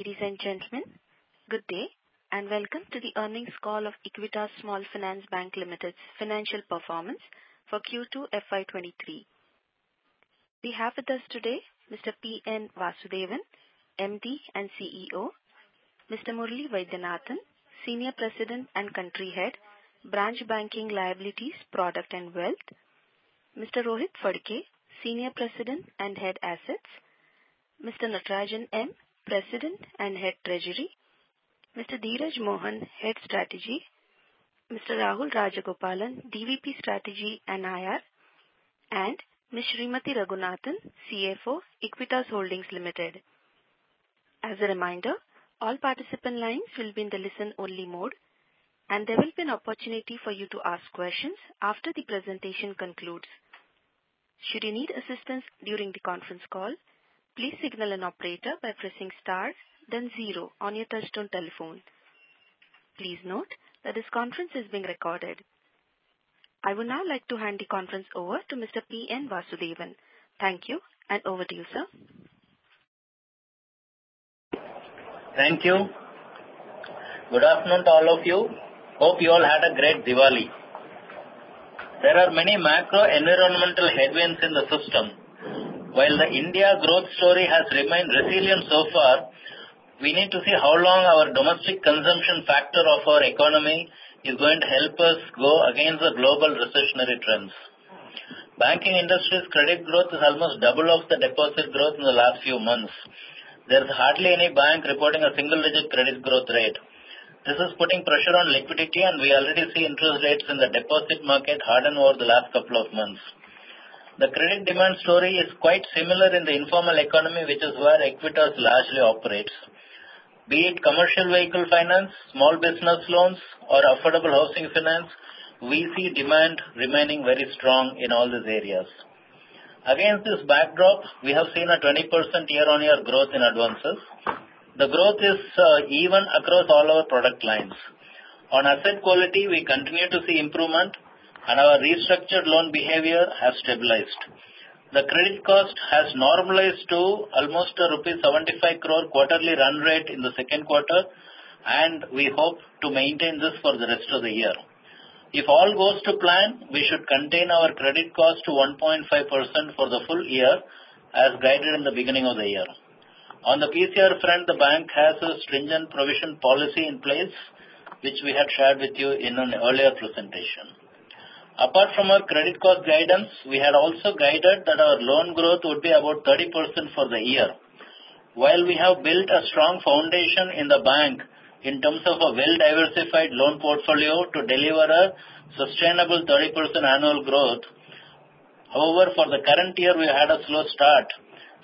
Ladies and gentlemen, good day, and welcome to the earnings call of Equitas Small Finance Bank Limited's financial performance FY 2023. we have with us today Mr. P.N. Vasudevan, MD and CEO, Mr. Murali Vaidyanathan, Senior President and Country Head, Branch Banking Liabilities, Product and Wealth, Mr. Rohit Phadke, Senior President and Head, Assets, Mr. Natarajan M., President and Head, Treasury, Mr. Dheeraj Mohan, Head, Strategy, Mr. Rahul Rajagopalan, DVP Strategy and IR, and Ms. Srimathy Raghunathan, CFO, Equitas Holdings Limited. As a reminder, all participant lines will be in the listen-only mode, and there will be an opportunity for you to ask questions after the presentation concludes. Should you need assistance during the conference call, please signal an operator by pressing star, then zero on your touchtone telephone. Please note that this conference is being recorded. I would now like to hand the conference over to Mr. P.N. Vasudevan. Thank you, and over to you, sir. Thank you. Good afternoon to all of you. Hope you all had a great Diwali. There are many macro environmental headwinds in the system. While the India growth story has remained resilient so far, we need to see how long our domestic consumption factor of our economy is going to help us go against the global recessionary trends. Banking industry's credit growth is almost double of the deposit growth in the last few months. There's hardly any bank reporting a single-digit credit growth rate. This is putting pressure on liquidity, and we already see interest rates in the deposit market harden over the last couple of months. The credit demand story is quite similar in the informal economy, which is where Equitas largely operates. Be it Commercial Vehicle Finance, Small Business Loans, or Affordable Housing Finance, we see demand remaining very strong in all these areas. Against this backdrop, we have seen a 20% year-on-year growth in advances. The growth is, even across all our product lines. On asset quality, we continue to see improvement, and our restructured loan behavior has stabilized. The credit cost has normalized to almost rupees 75 crore quarterly run rate in the second quarter, and we hope to maintain this for the rest of the year. If all goes to plan, we should contain our credit cost to 1.5% for the full year, as guided in the beginning of the year. On the PCR front, the bank has a stringent provision policy in place, which we had shared with you in an earlier presentation. Apart from our credit cost guidance, we had also guided that our loan growth would be about 30% for the year. While we have built a strong foundation in the bank in terms of a well-diversified loan portfolio to deliver a sustainable 30% annual growth, however, for the current year, we had a slow start,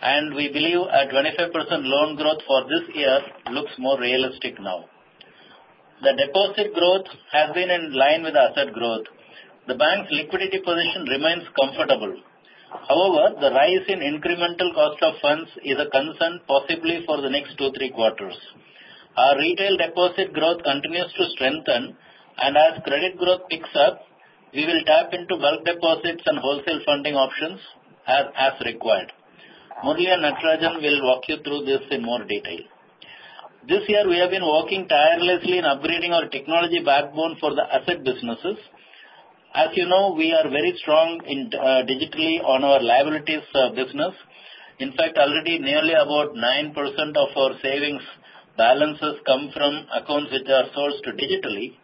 and we believe a 25% loan growth for this year looks more realistic now. The deposit growth has been in line with asset growth. The bank's liquidity position remains comfortable. However, the rise in incremental cost of funds is a concern, possibly for the next two-three quarters. Our retail deposit growth continues to strengthen, and as credit growth picks up, we will tap into bulk deposits and wholesale funding options as required. Murali and Natarajan will walk you through this in more detail. This year, we have been working tirelessly in upgrading our technology backbone for the asset businesses. As you know, we are very strong in digitally on our liabilities business. In fact, already nearly about 9% of our savings balances come from accounts which are sourced digitally.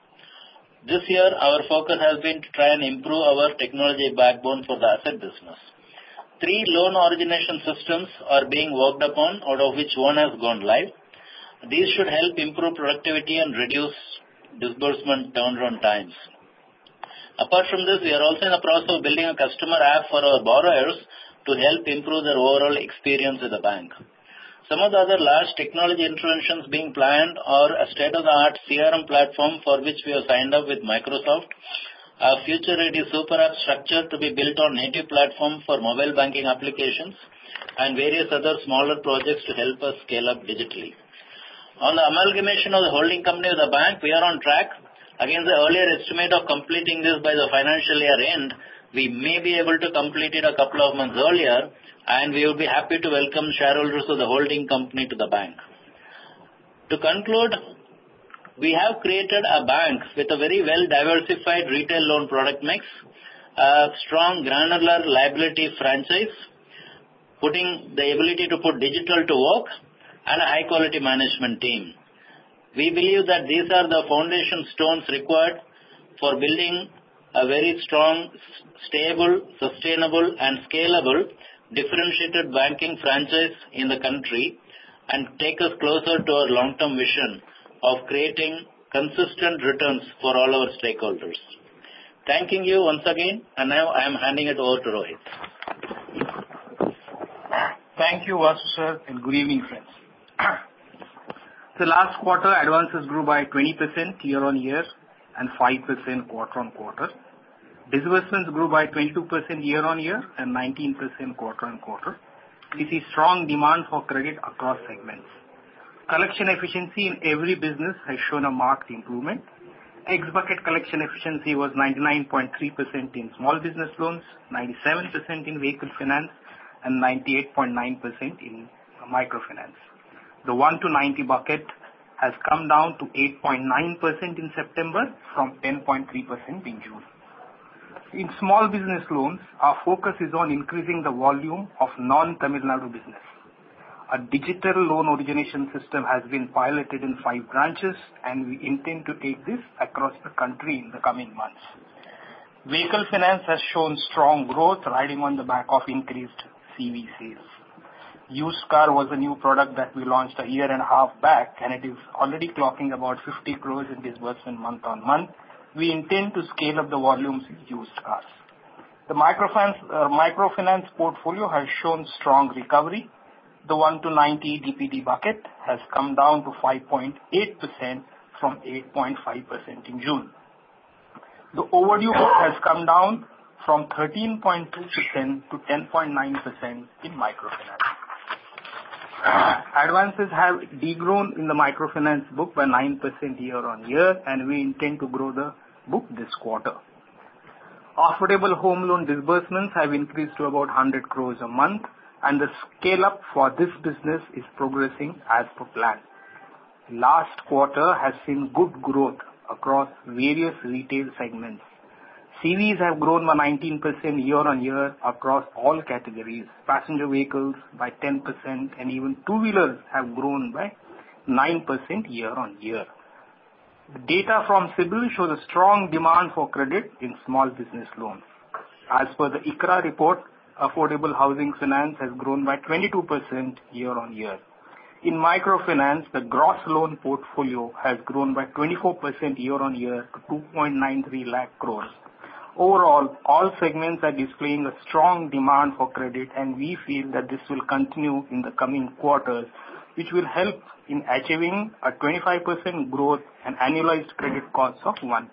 This year, our focus has been to try and improve our technology backbone for the asset business. Three loan origination systems are being worked upon, out of which one has gone live. These should help improve productivity and reduce disbursement turnaround times. Apart from this, we are also in the process of building a customer app for our borrowers to help improve their overall experience with the bank. Some of the other large technology interventions being planned are a state-of-the-art CRM platform, for which we have signed up with Microsoft, a future-ready super app structure to be built on native platform for mobile banking applications, and various other smaller projects to help us scale up digitally. On the amalgamation of the holding company of the bank, we are on track. Against the earlier estimate of completing this by the financial year-end, we may be able to complete it a couple of months earlier, and we will be happy to welcome shareholders of the holding company to the bank. To conclude, we have created a bank with a very well-diversified retail loan product mix, a strong granular liability franchise, putting the ability to put digital to work, and a high-quality management team. We believe that these are the foundation stones required for building a very strong, stable, sustainable, and scalable, differentiated banking franchise in the country and take us closer to our long-term vision of creating consistent returns for all our stakeholders. Thanking you once again, and now I am handing it over to Rohit. Thank you, Vasu, sir, and good evening, friends. The last quarter, advances grew by 20% year-on-year and 5% quarter-on-quarter. Disbursements grew by 22% year-on-year and 19% quarter-on-quarter. We see strong demand for credit across segments. Collection efficiency in every business has shown a marked improvement. X bucket collection efficiency was 99.3% in small business loans, 97% in vehicle finance, and 98.9% in microfinance. The 1-90 bucket has come down to 8.9% in September from 10.3% in June. In small business loans, our focus is on increasing the volume of non-Tamil Nadu business. A digital loan origination system has been piloted in five branches, and we intend to take this across the country in the coming months. Vehicle finance has shown strong growth, riding on the back of increased CV sales. Used car was a new product that we launched a year and a half back, and it is already clocking about 50 crore in disbursement month on month. We intend to scale up the volumes in used cars. The microfinance portfolio has shown strong recovery. The 1-90 DPD bucket has come down to 5.8% from 8.5% in June. The overdue book has come down from 13.2%-10.9% in microfinance. Advances have de-grown in the microfinance book by 9% year-on-year, and we intend to grow the book this quarter. Affordable home loan disbursements have increased to about 100 crore a month, and the scale-up for this business is progressing as per plan. Last quarter has seen good growth across various retail segments. CVs have grown by 19% year-on-year across all categories, passenger vehicles by 10%, and even two-wheelers have grown by 9% year-on-year. The data from CIBIL shows a strong demand for credit in small business loans. As per the ICRA report, affordable housing finance has grown by 22% year-on-year. In microfinance, the gross loan portfolio has grown by 24% year-on-year to 293,000 crore. Overall, all segments are displaying a strong demand for credit, and we feel that this will continue in the coming quarters, which will help in achieving a 25% growth and annualized credit costs of 1.5%.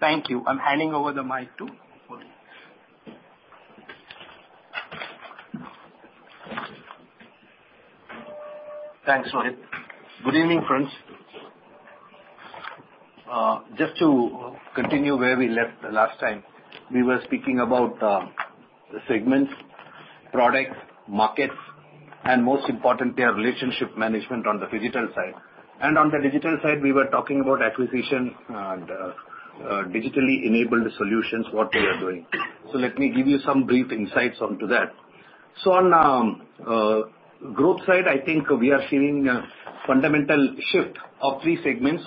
Thank you. I'm handing over the mic to Murali. Thanks, Rohit. Good evening, friends. Just to continue where we left the last time, we were speaking about the segments, products, markets, and most importantly, our relationship management on the digital side. On the digital side, we were talking about acquisition and digitally enabled solutions, what we are doing. Let me give you some brief insights onto that. On the growth side, I think we are seeing a fundamental shift of three segments.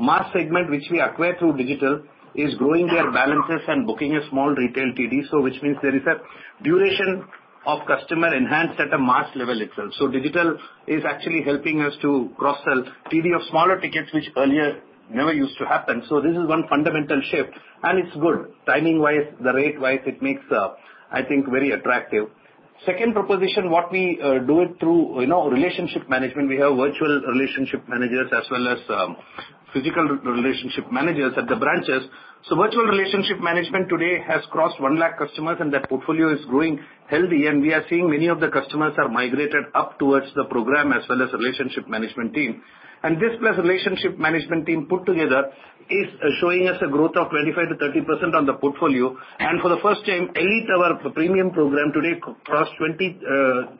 Mass segment, which we acquire through digital, is growing their balances and booking a small retail TD, so which means there is a duration of customer enhanced at a mass level itself. Digital is actually helping us to cross-sell TD of smaller tickets, which earlier never used to happen. This is one fundamental shift, and it's good. Timing-wise, the rate-wise, it makes, I think, very attractive. Second proposition, what we do it through, you know, relationship management. We have virtual relationship managers as well as physical relationship managers at the branches. So virtual relationship management today has crossed 100,000 customers, and that portfolio is growing healthy, and we are seeing many of the customers are migrated up towards the program as well as relationship management team. And this plus relationship management team put together is showing us a growth of 25%-30% on the portfolio. And for the first time, Elite, our premium program today, crossed 20,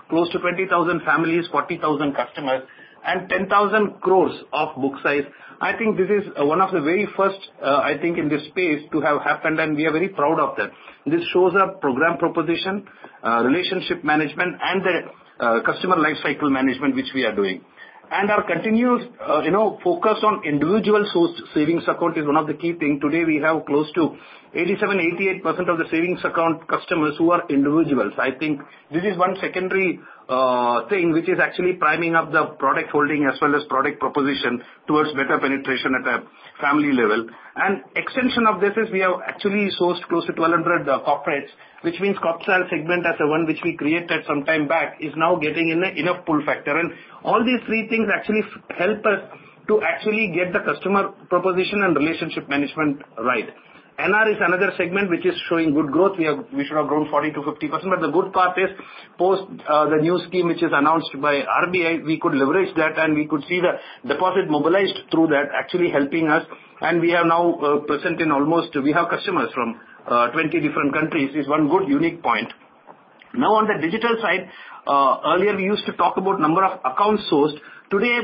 close to 20,000 families, 40,000 customers, and 10,000 crore of book size. I think this is one of the very first, I think, in this space to have happened, and we are very proud of that. This shows our program proposition, relationship management, and the customer life cycle management, which we are doing. Our continuous, you know, focus on individual source savings account is one of the key thing. Today, we have close to 87%-88% of the savings account customers who are individuals. I think this is one secondary thing, which is actually priming up the product holding as well as product proposition towards better penetration at a family level. Extension of this is we have actually sourced close to 1,200 corporates, which means corporate segment as the one which we created some time back, is now getting in a enough pull factor. And all these three things actually help us to actually get the customer proposition and relationship management right. NR is another segment which is showing good growth. We should have grown 40%-50%, but the good part is, post the new scheme, which is announced by RBI, we could leverage that, and we could see the deposit mobilized through that, actually helping us. And we are now present in almost. We have customers from 20 different countries, is one good unique point. Now, on the digital side, earlier, we used to talk about number of accounts sourced. Today,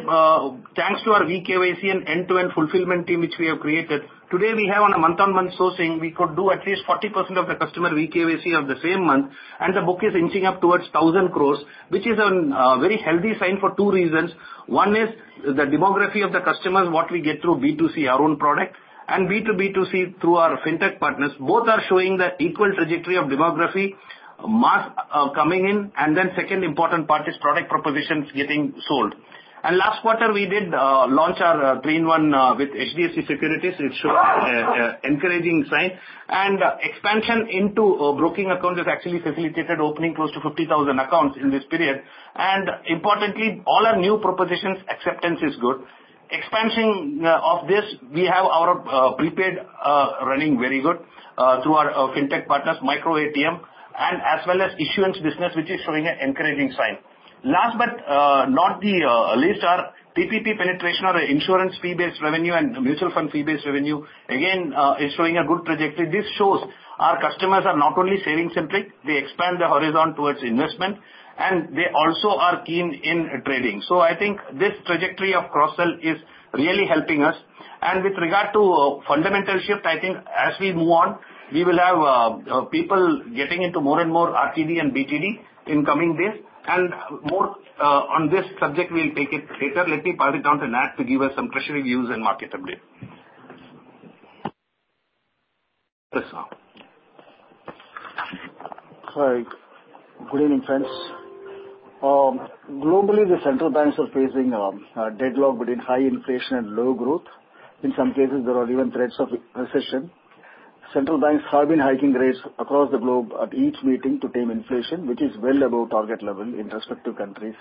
thanks to our eKYC and end-to-end fulfillment team, which we have created, today, we have on a month-on-month sourcing, we could do at least 40% of the customer eKYC on the same month, and the book is inching up towards 1,000 crore, which is a very healthy sign for two reasons. One is the demography of the customers, what we get through B2C, our own product, and B2B2C through our fintech partners, both are showing that equal trajectory of demography, mass, coming in, and then second important part is product propositions getting sold. And last quarter, we did launch our three-in-one with HDFC Securities, which showed encouraging sign. And expansion into broking accounts has actually facilitated opening close to 50,000 accounts in this period. And importantly, all our new propositions, acceptance is good. Expansion of this, we have our prepaid running very good through our fintech partners, MicroATM, and as well as issuance business, which is showing an encouraging sign. Last but not the least are TPP penetration or insurance fee-based revenue and mutual fund fee-based revenue, again, is showing a good trajectory. This shows our customers are not only saving-centric, they expand the horizon towards investment, and they also are keen in trading. So I think this trajectory of cross-sell is really helping us. And with regard to fundamental shift, I think as we move on, we will have people getting into more and more RTD and BTD in coming days. And more on this subject, we'll take it later. Let me pass it on to Nat to give us some treasury views and market update. Yes, sir. Hi. Good evening, friends. Globally, the central banks are facing a deadlock between high inflation and low growth. In some cases, there are even threats of recession. Central banks have been hiking rates across the globe at each meeting to tame inflation, which is well above target level in respective countries.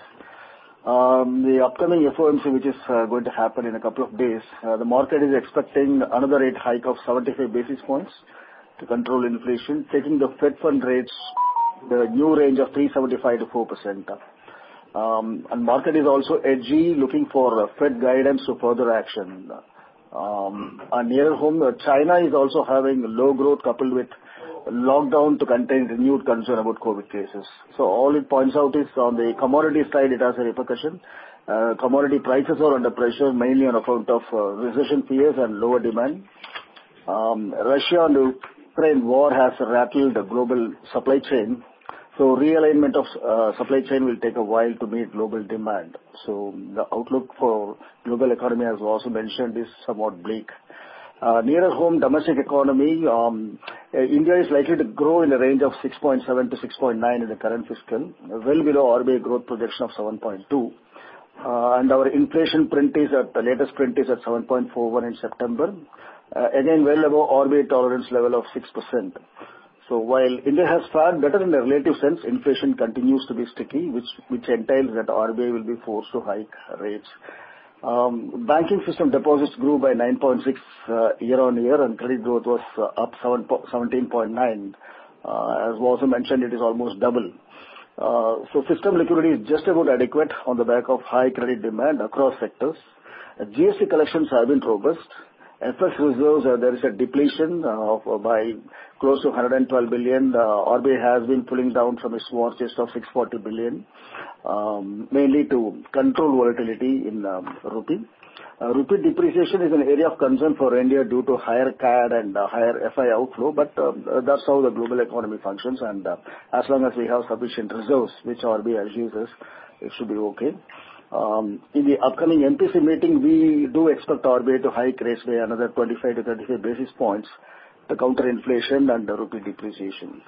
The upcoming FOMC, which is going to happen in a couple of days, the market is expecting another rate hike of 75 basis points to control inflation, taking the Fed fund rates to a new range of 3.75%-4%. And market is also edgy, looking for Fed guidance to further action. And nearer home, China is also having low growth, coupled with lockdown to contain renewed concern about COVID cases. So all it points out is on the commodity side, it has a repercussion. Commodity prices are under pressure, mainly on account of recession fears and lower demand. Russia and Ukraine war has rattled the global supply chain, so realignment of supply chain will take a while to meet global demand. So the outlook for global economy, as also mentioned, is somewhat bleak. Nearer home, domestic economy, India is likely to grow in the range of 6.7%-6.9% in the current fiscal, well below RBI growth projection of 7.2%. And our inflation print is at, the latest print is at 7.41% in September, again, well above RBI tolerance level of 6%. So while India has fared better in the relative sense, inflation continues to be sticky, which entails that RBI will be forced to hike rates. Banking system deposits grew by 9.6% year-on-year, and credit growth was up 17.9%. As also mentioned, it is almost double. So system liquidity is just about adequate on the back of high credit demand across sectors. GST collections have been robust. FX reserves, there is a depletion by close to 112 billion. The RBI has been pulling down from its war chest of 640 billion, mainly to control volatility in rupee. Rupee depreciation is an area of concern for India due to higher CAD and higher FI outflow, but that's how the global economy functions, and as long as we have sufficient reserves, which RBI assures us, it should be okay. In the upcoming MPC meeting, we do expect RBI to hike rates by another 25-35 basis points to counter inflation and the rupee depreciation.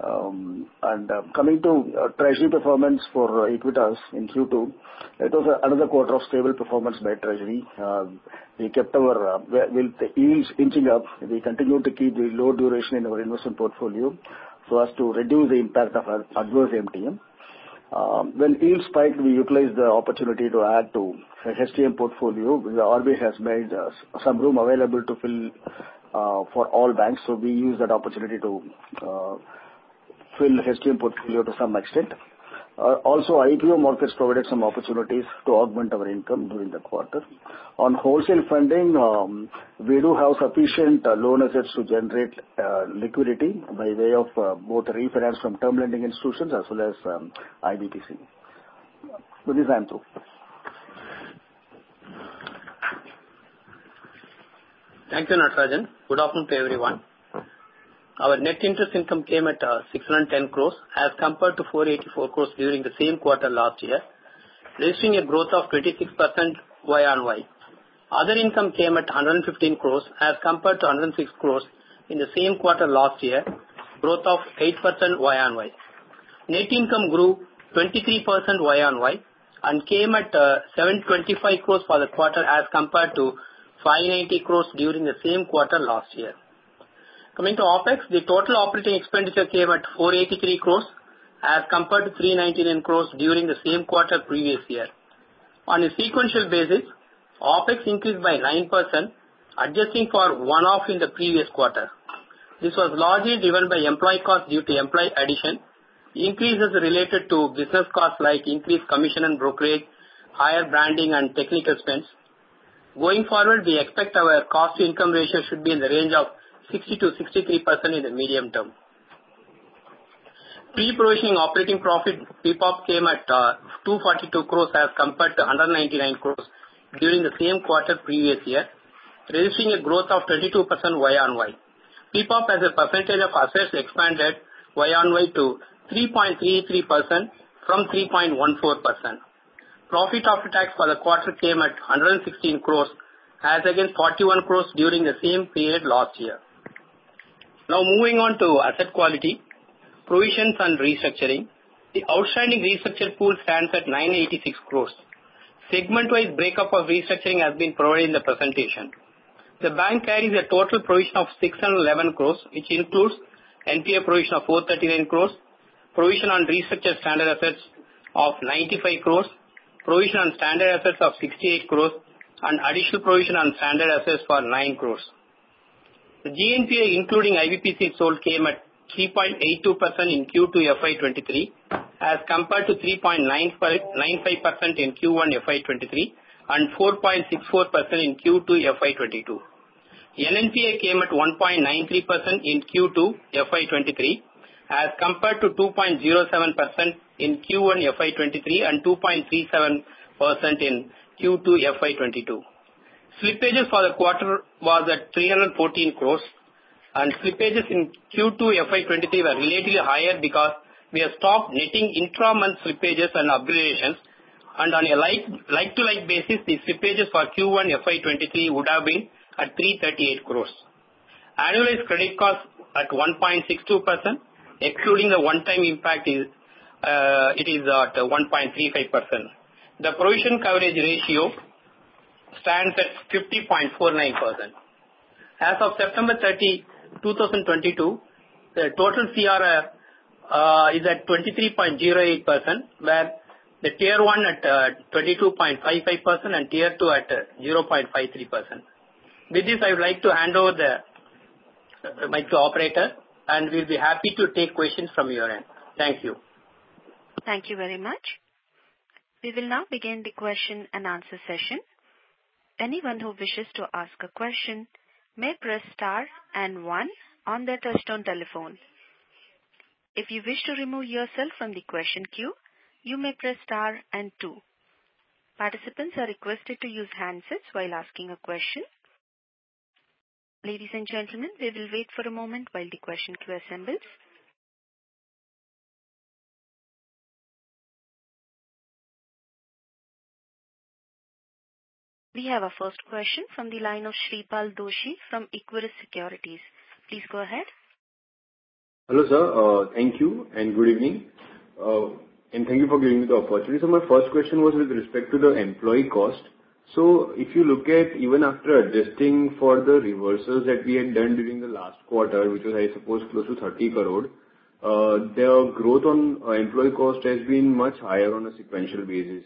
And coming to treasury performance for Equitas in Q2, it was another quarter of stable performance by treasury. We kept our yields inching up. We continued to keep the low duration in our investment portfolio so as to reduce the impact of adverse MTM. When yields spiked, we utilized the opportunity to add to HTM portfolio. The RBI has made some room available to fill for all banks, so we used that opportunity to fill HTM portfolio to some extent. Also, IPO markets provided some opportunities to augment our income during the quarter. On wholesale funding, we do have sufficient loan assets to generate liquidity by way of both refinance from term lending institutions as well as IBPC. With this, I'm through. Thank you, Natarajan. Good afternoon to everyone. Our net interest income came at 610 crore, as compared to 484 crore during the same quarter last year, registering a growth of 26% year-on-year. Other income came at 115 crore, as compared to 106 crore in the same quarter last year, growth of 8% year-on-year. Net income grew 23% year-on-year and came at 725 crore for the quarter, as compared to 590 crore during the same quarter last year. Coming to OpEx, the total operating expenditure came at 483 crore, as compared to 399 crore during the same quarter previous year. On a sequential basis, OpEx increased by 9%, adjusting for one-off in the previous quarter. This was largely driven by employee costs due to employee addition, increases related to business costs, like increased commission and brokerage, higher branding, and technical spends. Going forward, we expect our cost-to-income ratio should be in the range of 60%-63% in the medium term. Pre-provisioning operating profit, PPOP, came at 242 crore, as compared to 199 crore during the same quarter previous year, registering a growth of 22% year-on-year. PPOP, as a percentage of assets, expanded year-on-year to 3.33% from 3.14%. Profit after tax for the quarter came at 116 crore, as against 41 crore during the same period last year. Now moving on to asset quality, provisions, and restructuring. The outstanding restructure pool stands at 986 crore. Segment-wise, breakup of restructuring has been provided in the presentation. The bank carries a total provision of 611 crores, which includes NPA provision of 439 crores, provision on restructured standard assets of 95 crores, provision on standard assets of 68 crores, and additional provision on standard assets for 9 crores. GNPA, including IBPC sold, came at 3.82% FY 2023, as compared to 3.95% FY 2023, and 4.64% FY 2022. NNPA came at 1.93% FY 2023, as compared to 2.07% FY 2023, and 2.37% FY 2022. slippages for the quarter was at 314 crore, and slippages FY 2023 were relatively higher because we have stopped netting intra-month slippages and upgradations. On a like, like-to-like basis, the slippages FY 2023 would have been at 338 crore. Annualized credit costs at 1.62%, excluding the one-time impact is, it is at 1.35%. The provision coverage ratio stands at 50.49%. As of September 30, 2022, the total CARR is at 23.08%, where the Tier 1 at 22.55% and Tier 2 at 0.53%. With this, I would like to hand over the back to operator, and we'll be happy to take questions from your end. Thank you. Thank you very much. We will now begin the question-and-answer session. Anyone who wishes to ask a question may press star and one on their touchtone telephone. If you wish to remove yourself from the question queue, you may press star and two. Participants are requested to use handsets while asking a question. Ladies and gentlemen, we will wait for a moment while the question queue assembles. We have our first question from the line of Shreepal Doshi from Equirus Securities. Please go ahead. Hello, sir. Thank you, and good evening. And thank you for giving me the opportunity. So my first question was with respect to the employee cost. So if you look at even after adjusting for the reversals that we had done during the last quarter, which was, I suppose, close to 30 crore, the growth on employee cost has been much higher on a sequential basis.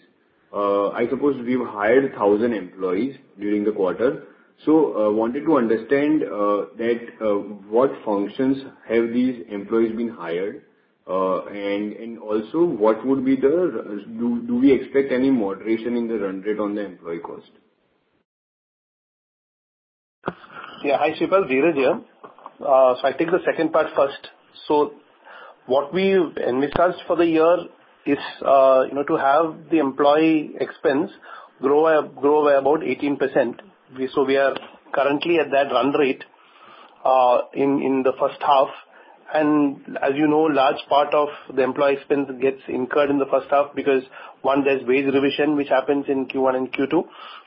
I suppose we've hired 1,000 employees during the quarter. So wanted to understand that what functions have these employees been hired? And also, do we expect any moderation in the run rate on the employee cost? Yeah. Hi, Shreepal, Dheeraj here. So I take the second part first. So what we've envisaged for the year is, you know, to have the employee expense grow up, grow by about 18%. So we are currently at that run rate, in the first half. And as you know, large part of the employee expense gets incurred in the first half, because, one, there's wage revision, which happens in Q1 and Q2,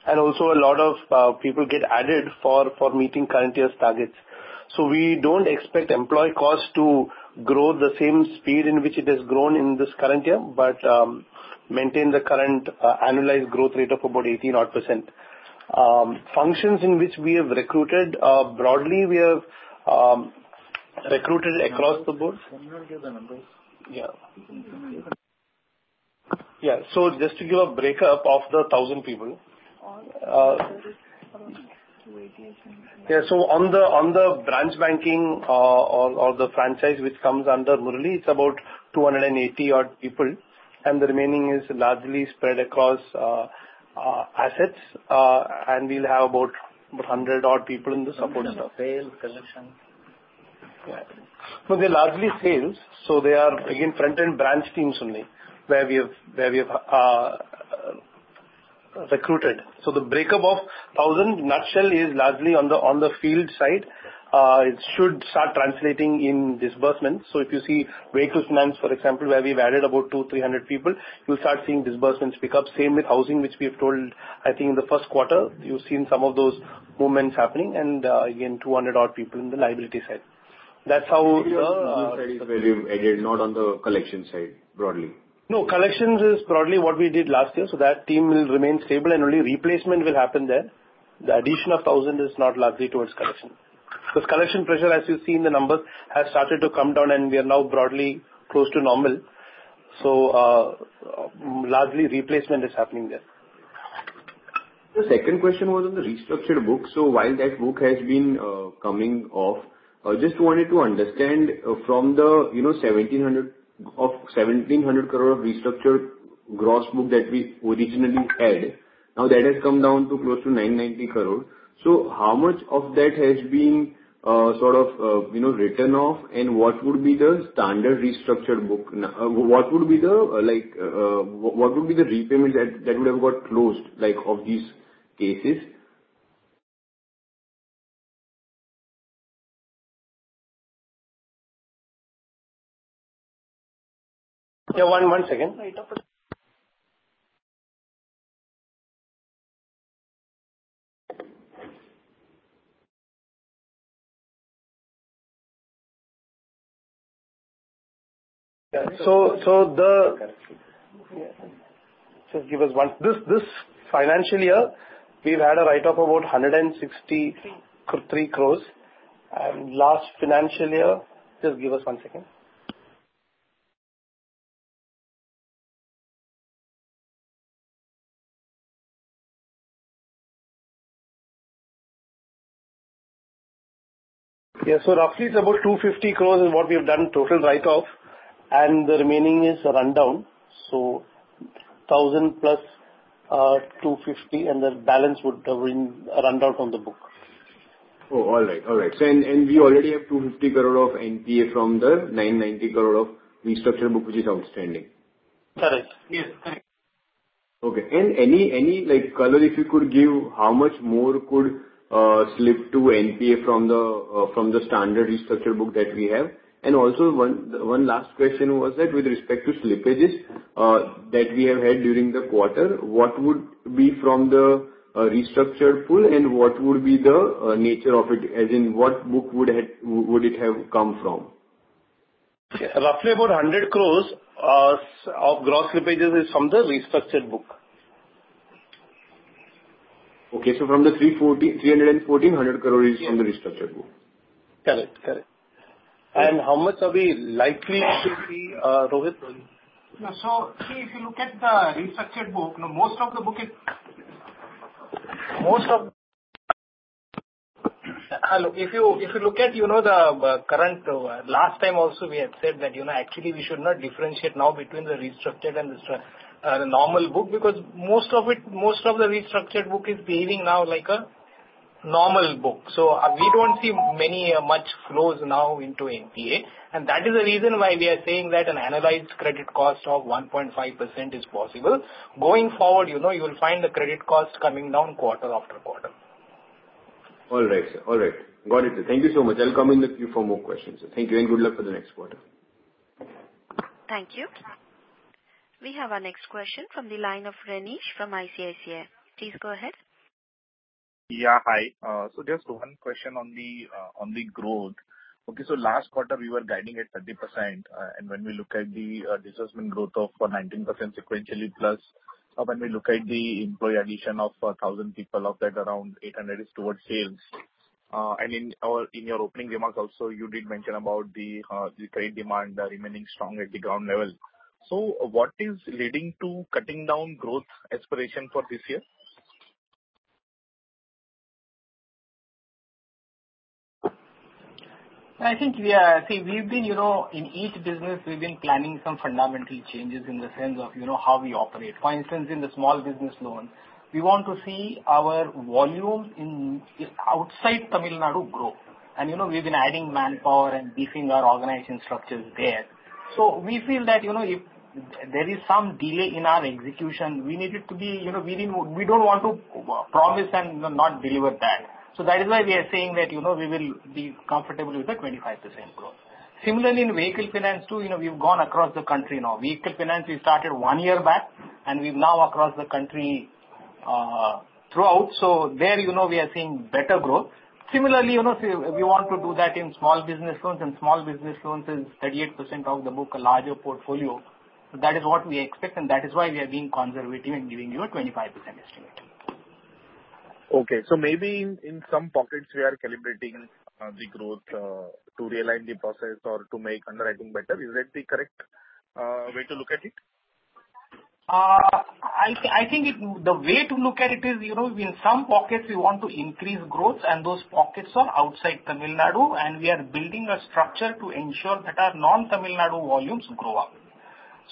and also a lot of people get added for meeting current year's targets. So we don't expect employee costs to grow the same speed in which it has grown in this current year, but maintain the current annualized growth rate of about 18% odd. Functions in which we have recruited, broadly, we have recruited across the board. Can you give the numbers? Yeah. Yeah, so just to give a breakdown of the 1,000 people. Yeah. So on the branch banking, or the franchise, which comes under Murali, it's about 280-odd people, and the remaining is largely spread across assets, and we'll have about 100-odd people in the support staff. Sales, collection. Yeah. No, they're largely sales, so they are again, front-end branch teams only, where we have recruited. So the breakup of the thousand, in a nutshell, is largely on the field side. It should start translating in disbursements. So if you see vehicle finance, for example, where we've added about 200-300 people, you'll start seeing disbursements pick up. Same with housing, which we have told, I think in the first quarter, you've seen some of those movements happening. And again, 200 odd people in the liability side. That's how the- Again, not on the collection side, broadly. No, collections is broadly what we did last year, so that team will remain stable and only replacement will happen there. The addition of 1,000 is not largely towards collection. Because collection pressure, as you've seen in the numbers, has started to come down, and we are now broadly close to normal. So, largely replacement is happening there. The second question was on the restructured book. So while that book has been coming off, I just wanted to understand from the, you know, 1,700 of 1,700 crore of restructured gross book that we originally had, now that has come down to close to 990 crore. So how much of that has been sort of, you know, written off, and what would be the standard restructured book now? What would be the, like, what would be the repayment that, that would have got closed, like, of these cases? Yeah. One second. So, the- Just give us one... This financial year, we've had a write-off about 163 crores. And last financial year... Just give us one second. Yes, so roughly it's about 250 crore is what we have done total write-off, and the remaining is run down. So 1,000+250, and the balance would run down on the book. Oh, all right, all right. So we already have 250 crore of NPA from the 990 crore of restructured book, which is outstanding. That is, yes. Okay. And any like color if you could give, how much more could slip to NPA from the standard restructured book that we have? And also one last question was that with respect to slippages that we have had during the quarter, what would be from the restructured pool, and what would be the nature of it, as in what book would it have come from? Roughly about 100 crore of gross slippages is from the restructured book. Okay, so from the 340, 314, 100 crore- Yes. is from the restructured book. Correct. Correct. How much are we likely to see, Rohit, sorry? No, so if you look at the restructured book, now, most of the book is, most of if you look at, you know, the current, last time also, we had said that, you know, actually we should not differentiate now between the restructured and the normal book, because most of it, most of the restructured book is behaving now like a normal book. So we don't see many much flows now into NPA. And that is the reason why we are saying that an analyzed credit cost of 1.5% is possible. Going forward, you know, you will find the credit cost coming down quarter after quarter. All right, sir. All right. Got it. Thank you so much. I'll come in with you for more questions. So thank you, and good luck for the next quarter. Thank you. We have our next question from the line of Renish from ICICI. Please go ahead. Yeah, hi. So just one question on the growth. Okay, so last quarter, we were guiding at 30%, and when we look at the disbursement growth of 19% sequentially, plus when we look at the employee addition of 1,000 people, of that around 800 is towards sales. And in our, in your opening remarks also, you did mention about the trade demand remaining strong at the ground level. So what is leading to cutting down growth aspiration for this year? I think we are. See, we've been, you know, in each business, we've been planning some fundamental changes in the sense of, you know, how we operate. For instance, in the small business loans, we want to see our volume outside Tamil Nadu grow. And, you know, we've been adding manpower and beefing our organization structures there. So we feel that, you know, if there is some delay in our execution, we need it to be, you know, we need more. We don't want to promise and not deliver that. So that is why we are saying that, you know, we will be comfortable with the 25% growth. Similarly, in vehicle finance, too, you know, we've gone across the country now. Vehicle finance, we started one year back, and we're now across the country, throughout. So there, you know, we are seeing better growth. Similarly, you know, we, we want to do that in small business loans, and small business loans is 38% of the book, a larger portfolio. That is what we expect, and that is why we are being conservative and giving you a 25% estimate. Okay, so maybe in some pockets we are calibrating the growth to realign the process or to make underwriting better. Is that the correct way to look at it? I think it, the way to look at it is, you know, in some pockets, we want to increase growth, and those pockets are outside Tamil Nadu, and we are building a structure to ensure that our non-Tamil Nadu volumes grow up.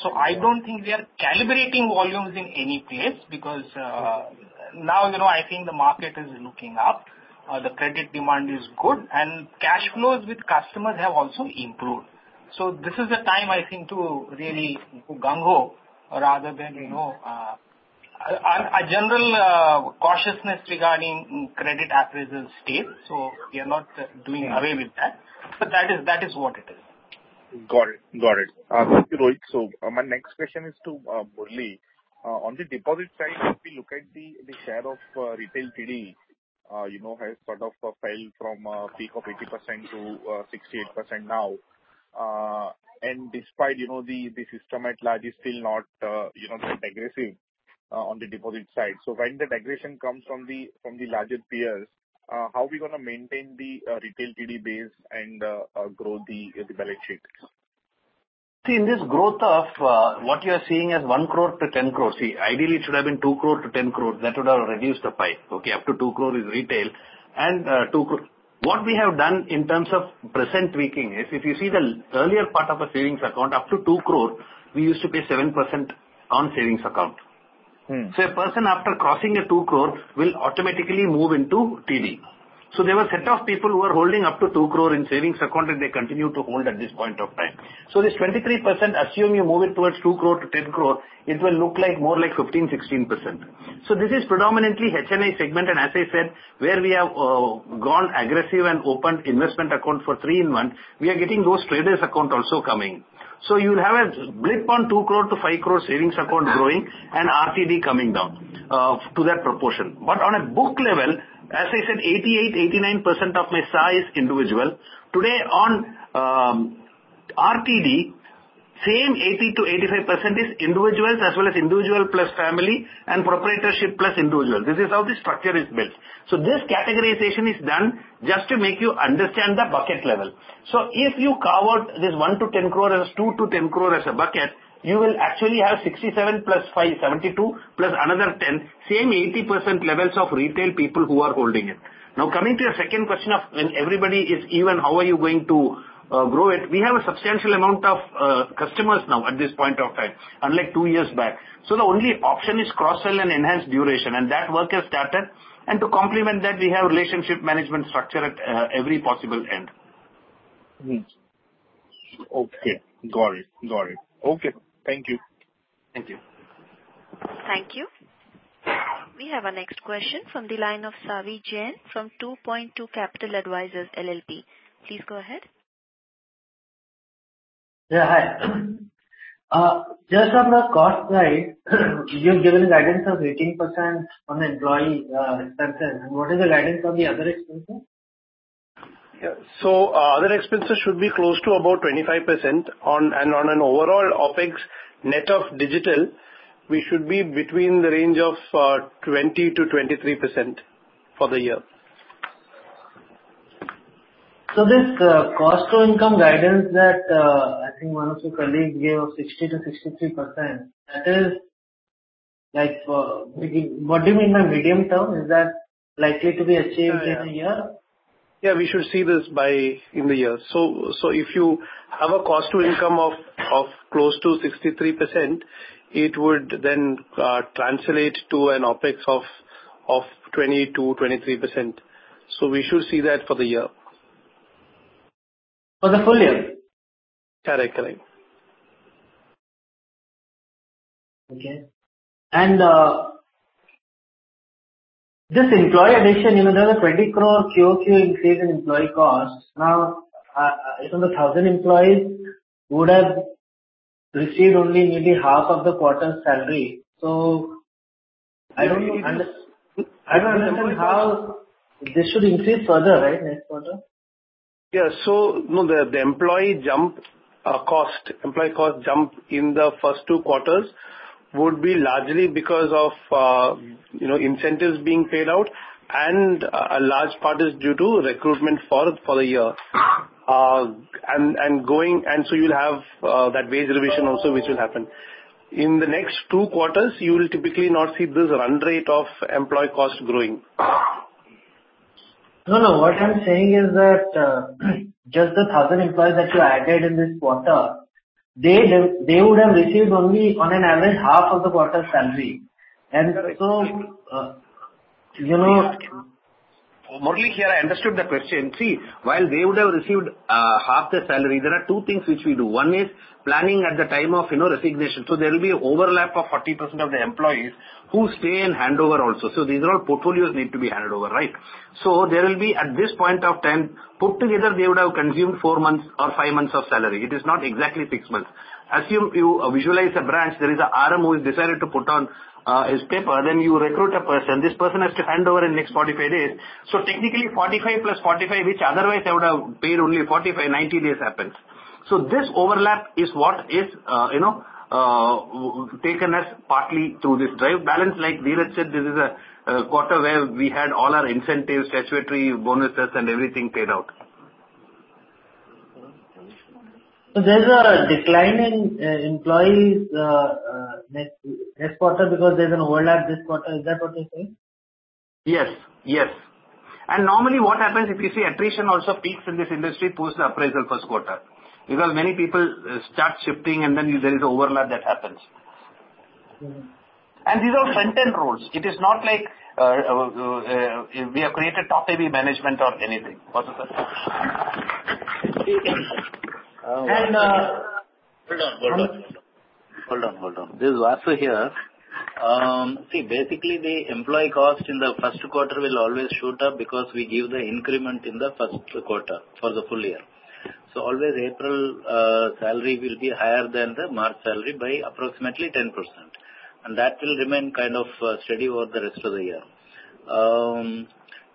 So I don't think we are calibrating volumes in any place, because, now, you know, I think the market is looking up, the credit demand is good, and cash flows with customers have also improved. So this is the time, I think, to really go gung-ho rather than, you know... A general cautiousness regarding credit appraisal stays, so we are not doing away with that. But that is, that is what it is. Got it. Got it. Thank you, Rohit. So my next question is to Murali. On the deposit side, if we look at the share of retail TD, you know, has sort of fell from peak of 80%-68% now. And despite, you know, the system at large is still not, you know, quite aggressive on the deposit side. So when that aggression comes from the larger peers, how we gonna maintain the retail TD base and grow the balance sheets? See, in this growth of what you are seeing as 1 crore-10 crores, see, ideally, it should have been 2 crore-10 crore. That would have reduced the pie, okay? Up to 2 crore is retail and, What we have done in terms of present tweaking is, if you see the earlier part of a savings account, up to 2 crore, we used to pay 7% on savings account. So a person after crossing 2 crore will automatically move into TD. So there were a set of people who were holding up to 2 crore in savings account, and they continue to hold at this point of time. So this 23%, assume you move it towards 2 crore-10 crore, it will look like more like 15%, 16%. So this is predominantly HNI segment, and as I said, where we have gone aggressive and opened investment account for three-in-one, we are getting those traders account also coming. So you will have a break on 2 crore-5 crore savings account growing and RTD coming down to that proportion. But on a book level, as I said, 88%-89% of my size individual. Today on RTD, same 80%-85% is individuals as well as individual plus family and proprietorship plus individual. This is how the structure is built. So this categorization is done just to make you understand the bucket level. So if you carve out this 1- 10 crore, as 2- 10 crore as a bucket, you will actually have 67% + 5%, 72% plus another 10%, same 80% levels of retail people who are holding it. Now coming to your second question of when everybody is even, how are you going to grow it? We have a substantial amount of customers now at this point of time, unlike two years back. So the only option is cross-sell and enhance duration, and that work has started. And to complement that, we have relationship management structure at every possible end. Okay. Got it, got it. Okay. Thank you. Thank you. Thank you. We have our next question from the line of Savi Jain from 2Point2 Capital Advisors LLP. Please go ahead. Yeah, hi. Just on the cost side, you've given guidance of 18% on employee expenses. What is the guidance on the other expenses? Yeah. So, other expenses should be close to about 25% on... And on an overall OpEx net of digital, we should be between the range of 20%-23% for the year. So this cost to income guidance that I think one of your colleagues gave of 60%-63%, that is like, maybe— What do you mean by medium-term? Is that likely to be achieved in the year? Yeah, we should see this by in the year. So, if you have a cost to income of close to 63%, it would then translate to an OpEx of 20%-23%. So we should see that for the year. For the full year? Correct, correct. Okay. This employee addition, you know, there's an 20 crore QoQ increase in employee costs. Now, some of the 1,000 employees would have received only maybe half of the quarter's salary. So I don't understand how this should increase further, right? Next quarter. Yeah. So, no, the employee cost jump in the first two quarters would be largely because of, you know, incentives being paid out, and a large part is due to recruitment for the year. And so you'll have that wage revision also, which will happen. In the next two quarters, you will typically not see this run rate of employee cost growing. No, no, what I'm saying is that, just the 1,000 employees that you added in this quarter, they have, they would have received only on an average, half of the quarter's salary. And so, you know- Murali here, I understood the question. See, while they would have received half the salary, there are two things which we do. One is planning at the time of, you know, resignation. So there will be overlap of 40% of the employees who stay and handover also. So these are all portfolios need to be handed over, right? So there will be, at this point of time, put together, they would have consumed four months or five months of salary. It is not exactly six months. Assume you visualize a branch, there is a RM who has decided to put on his paper, then you recruit a person. This person has to hand over in the next 45 days. So technically, 45+45, which otherwise I would have paid only 45, 90 days happens. So this overlap is what is, you know, taken as partly to this drive. Balance like Dheeraj said, this is a quarter where we had all our incentives, statutory bonuses, and everything paid out. So there's a decline in employees next quarter because there's an overlap this quarter. Is that what you're saying? Yes, yes. And normally what happens, if you see attrition also peaks in this industry post the appraisal first quarter, because many people start shifting and then there is an overlap that happens. These are front-end roles. It is not like we have created top-heavy management or anything. What's the sir? Hold on, hold on, hold on, hold on. This is Vasu here. See, basically the employee cost in the first quarter will always shoot up because we give the increment in the first quarter for the full year. So always April salary will be higher than the March salary by approximately 10%, and that will remain kind of steady over the rest of the year.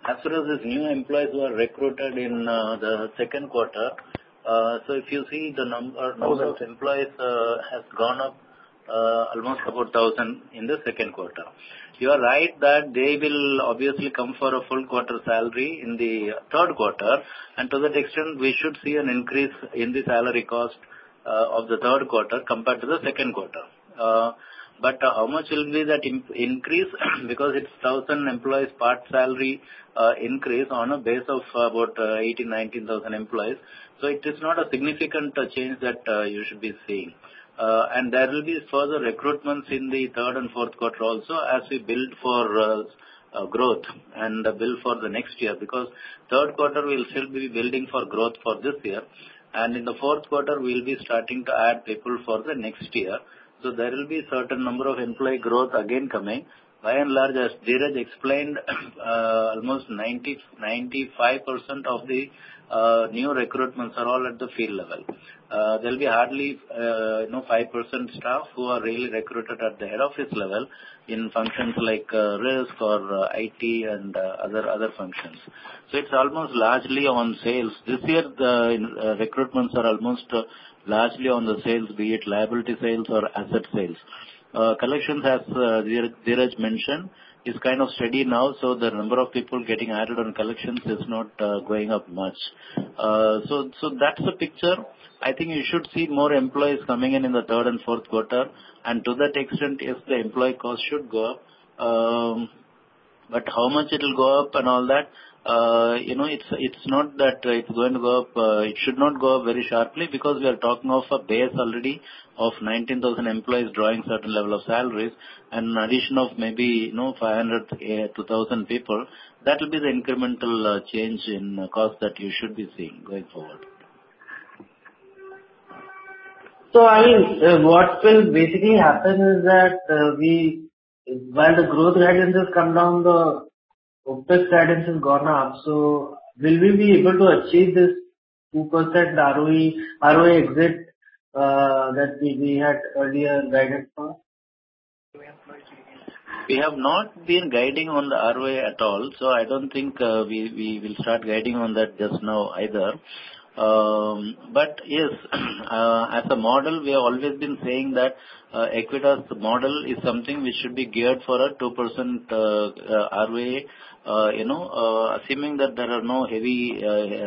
As far as these new employees who are recruited in the second quarter, so if you see the numbers of employees has gone up almost about 1,000 in the second quarter. You are right that they will obviously come for a full quarter salary in the third quarter, and to that extent, we should see an increase in the salary cost of the third quarter compared to the second quarter. But, how much will be that increase? Because it's 1,000 employees part salary increase on a base of about 18,000-19,000 employees. So it is not a significant change that you should be seeing. And there will be further recruitments in the third and fourth quarter also as we build for growth and build for the next year. Because third quarter, we'll still be building for growth for this year, and in the fourth quarter we'll be starting to add people for the next year. So there will be certain number of employee growth again coming. By and large, as Dheeraj explained, almost 90%-95% of the new recruitments are all at the field level. There'll be hardly, you know, 5% staff who are really recruited at the head office level in functions like risk or IT and other functions. So it's almost largely on sales. This year, the recruitments are almost largely on the sales, be it liability sales or asset sales. Collections, as Dheeraj mentioned, is kind of steady now, so the number of people getting added on collections is not going up much. So that's the picture. I think you should see more employees coming in, in the third and fourth quarter, and to that extent, yes, the employee cost should go up... But how much it will go up and all that? You know, it's not that it's going to go up. It should not go up very sharply because we are talking of a base already of 19,000 employees drawing certain level of salaries and an addition of maybe, you know, 500-1,000 people. That will be the incremental change in cost that you should be seeing going forward. So I mean, what will basically happen is that, we while the growth guidance has come down, the OpEx guidance has gone up. So will we be able to achieve this 2% ROE, ROE exit, that we, we had earlier guided for? We have not been guiding on the ROE at all, so I don't think we will start guiding on that just now either. But yes, as a model, we have always been saying that Equitas model is something which should be geared for a 2% ROA. You know, assuming that there are no heavy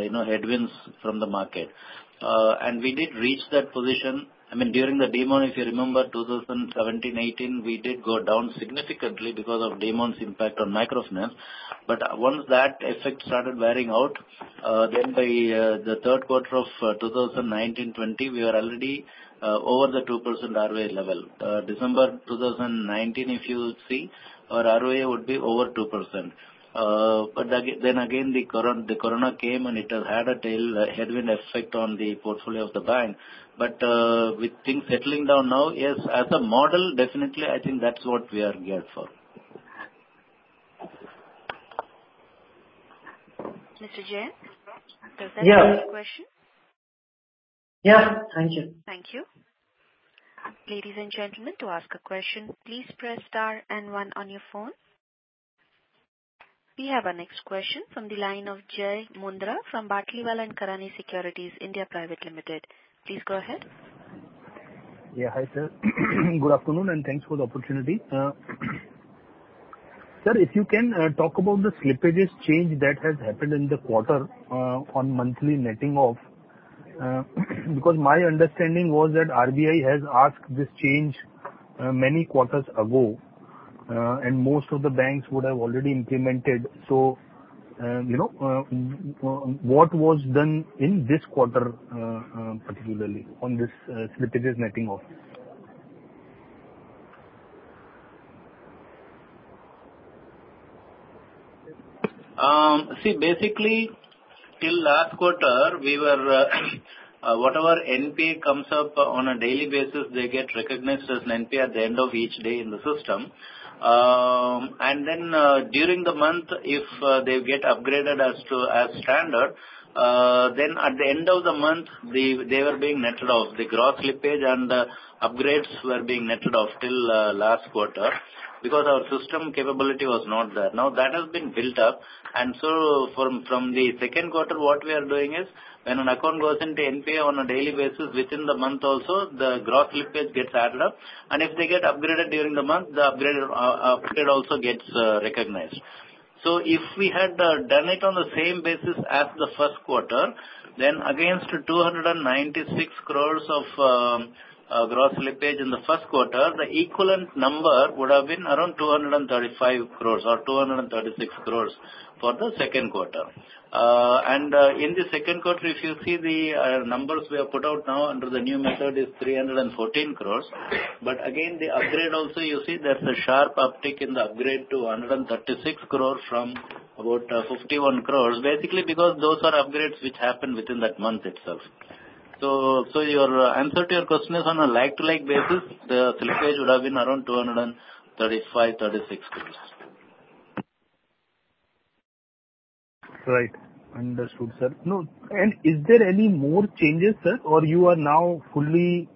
you know headwinds from the market. And we did reach that position. I mean, during the demonetization, if you remember, 2017-2018, we did go down significantly because of demonetization's impact on microfinance. But once that effect started wearing out, then by the third quarter of 2019-2020, we were already over the 2% ROA level. December 2019, if you see, our ROA would be over 2%. But again, the corona came, and it has had a tail headwind effect on the portfolio of the bank. But with things settling down now, yes, as a model, definitely, I think that's what we are geared for. Mr. Jain? Yeah. Does that answer your question? Yeah. Thank you. Thank you. Ladies and gentlemen, to ask a question, please press star and one on your phone. We have our next question from the line of Jai Mundhra, from Batlivala & Karani Securities India Private Limited. Please go ahead. Yeah, hi, sir. Good afternoon, and thanks for the opportunity. Sir, if you can talk about the slippages change that has happened in the quarter on monthly netting off, because my understanding was that RBI has asked this change many quarters ago, and most of the banks would have already implemented. So, you know, what was done in this quarter, particularly on this slippages netting off? See, basically till last quarter, we were, whatever NPA comes up on a daily basis, they get recognized as NPA at the end of each day in the system. And then, during the month, if they get upgraded to standard, then at the end of the month, they were being netted off. The gross slippage and the upgrades were being netted off till last quarter because our system capability was not there. Now, that has been built up, and so from the second quarter, what we are doing is, when an account goes into NPA on a daily basis, within the month also, the gross slippage gets added up, and if they get upgraded during the month, the upgrades also get recognized. So if we had done it on the same basis as the first quarter, then against 296 crore of gross slippage in the first quarter, the equivalent number would have been around 235 crore or 236 crore for the second quarter. And in the second quarter, if you see the numbers we have put out now under the new method is 314 crore. But again, the upgrade also, you see there's a sharp uptick in the upgrade to 136 crore from about 51 crore, basically because those are upgrades which happened within that month itself. So your answer to your question is on a like-to-like basis, the slippage would have been around 235-236 crore. Right. Understood, sir. No, and is there any more changes, sir, or you are now fully,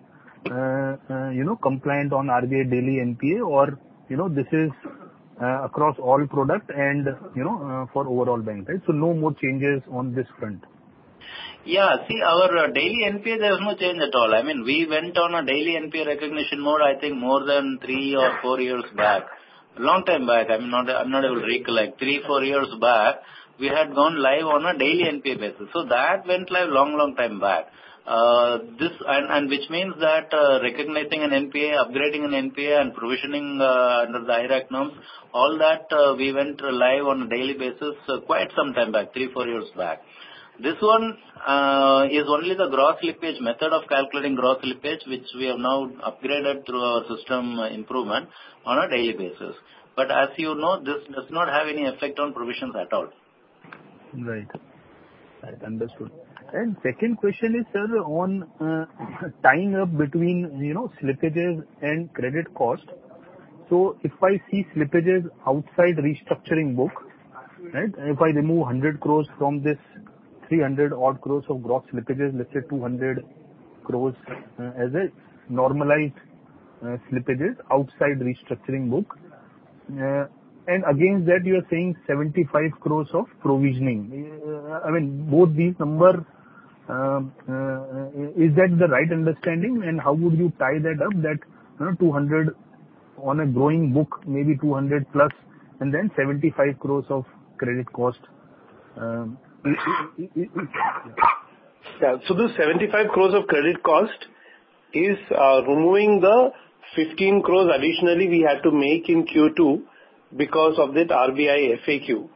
you know, compliant on RBI daily NPA or, you know, this is, across all products and, you know, for overall bank, right? So no more changes on this front. Yeah. See, our daily NPA, there is no change at all. I mean, we went on a daily NPA recognition mode, I think more than three or four years back. Long time back, I'm not, I'm not able to recollect. Three, four years back, we had gone live on a daily NPA basis, so that went live long, long time back. This... And which means that, recognizing an NPA, upgrading an NPA and provisioning under the IRAC norms, all that, we went live on a daily basis, so quite some time back, three, four years back. This one is only the gross slippage, method of calculating gross slippage, which we have now upgraded through our system improvement on a daily basis. But as you know, this does not have any effect on provisions at all. Right. Right. Understood. And second question is, sir, on tying up between, you know, slippages and credit cost. So if I see slippages outside restructuring book, right, and if I remove 100 crore from this 300-odd crore of gross slippages, let's say 200 crore as a normalized slippages outside restructuring book, and against that, you are saying 75 crore of provisioning. I mean, both these number is that the right understanding? And how would you tie that up, that, you know, 200 on a growing book, maybe 200+, and then 75 crore of credit cost, Yeah. So the 75 crore of credit cost is, removing the 15 crore additionally we had to make in Q2 because of that RBI FAQ.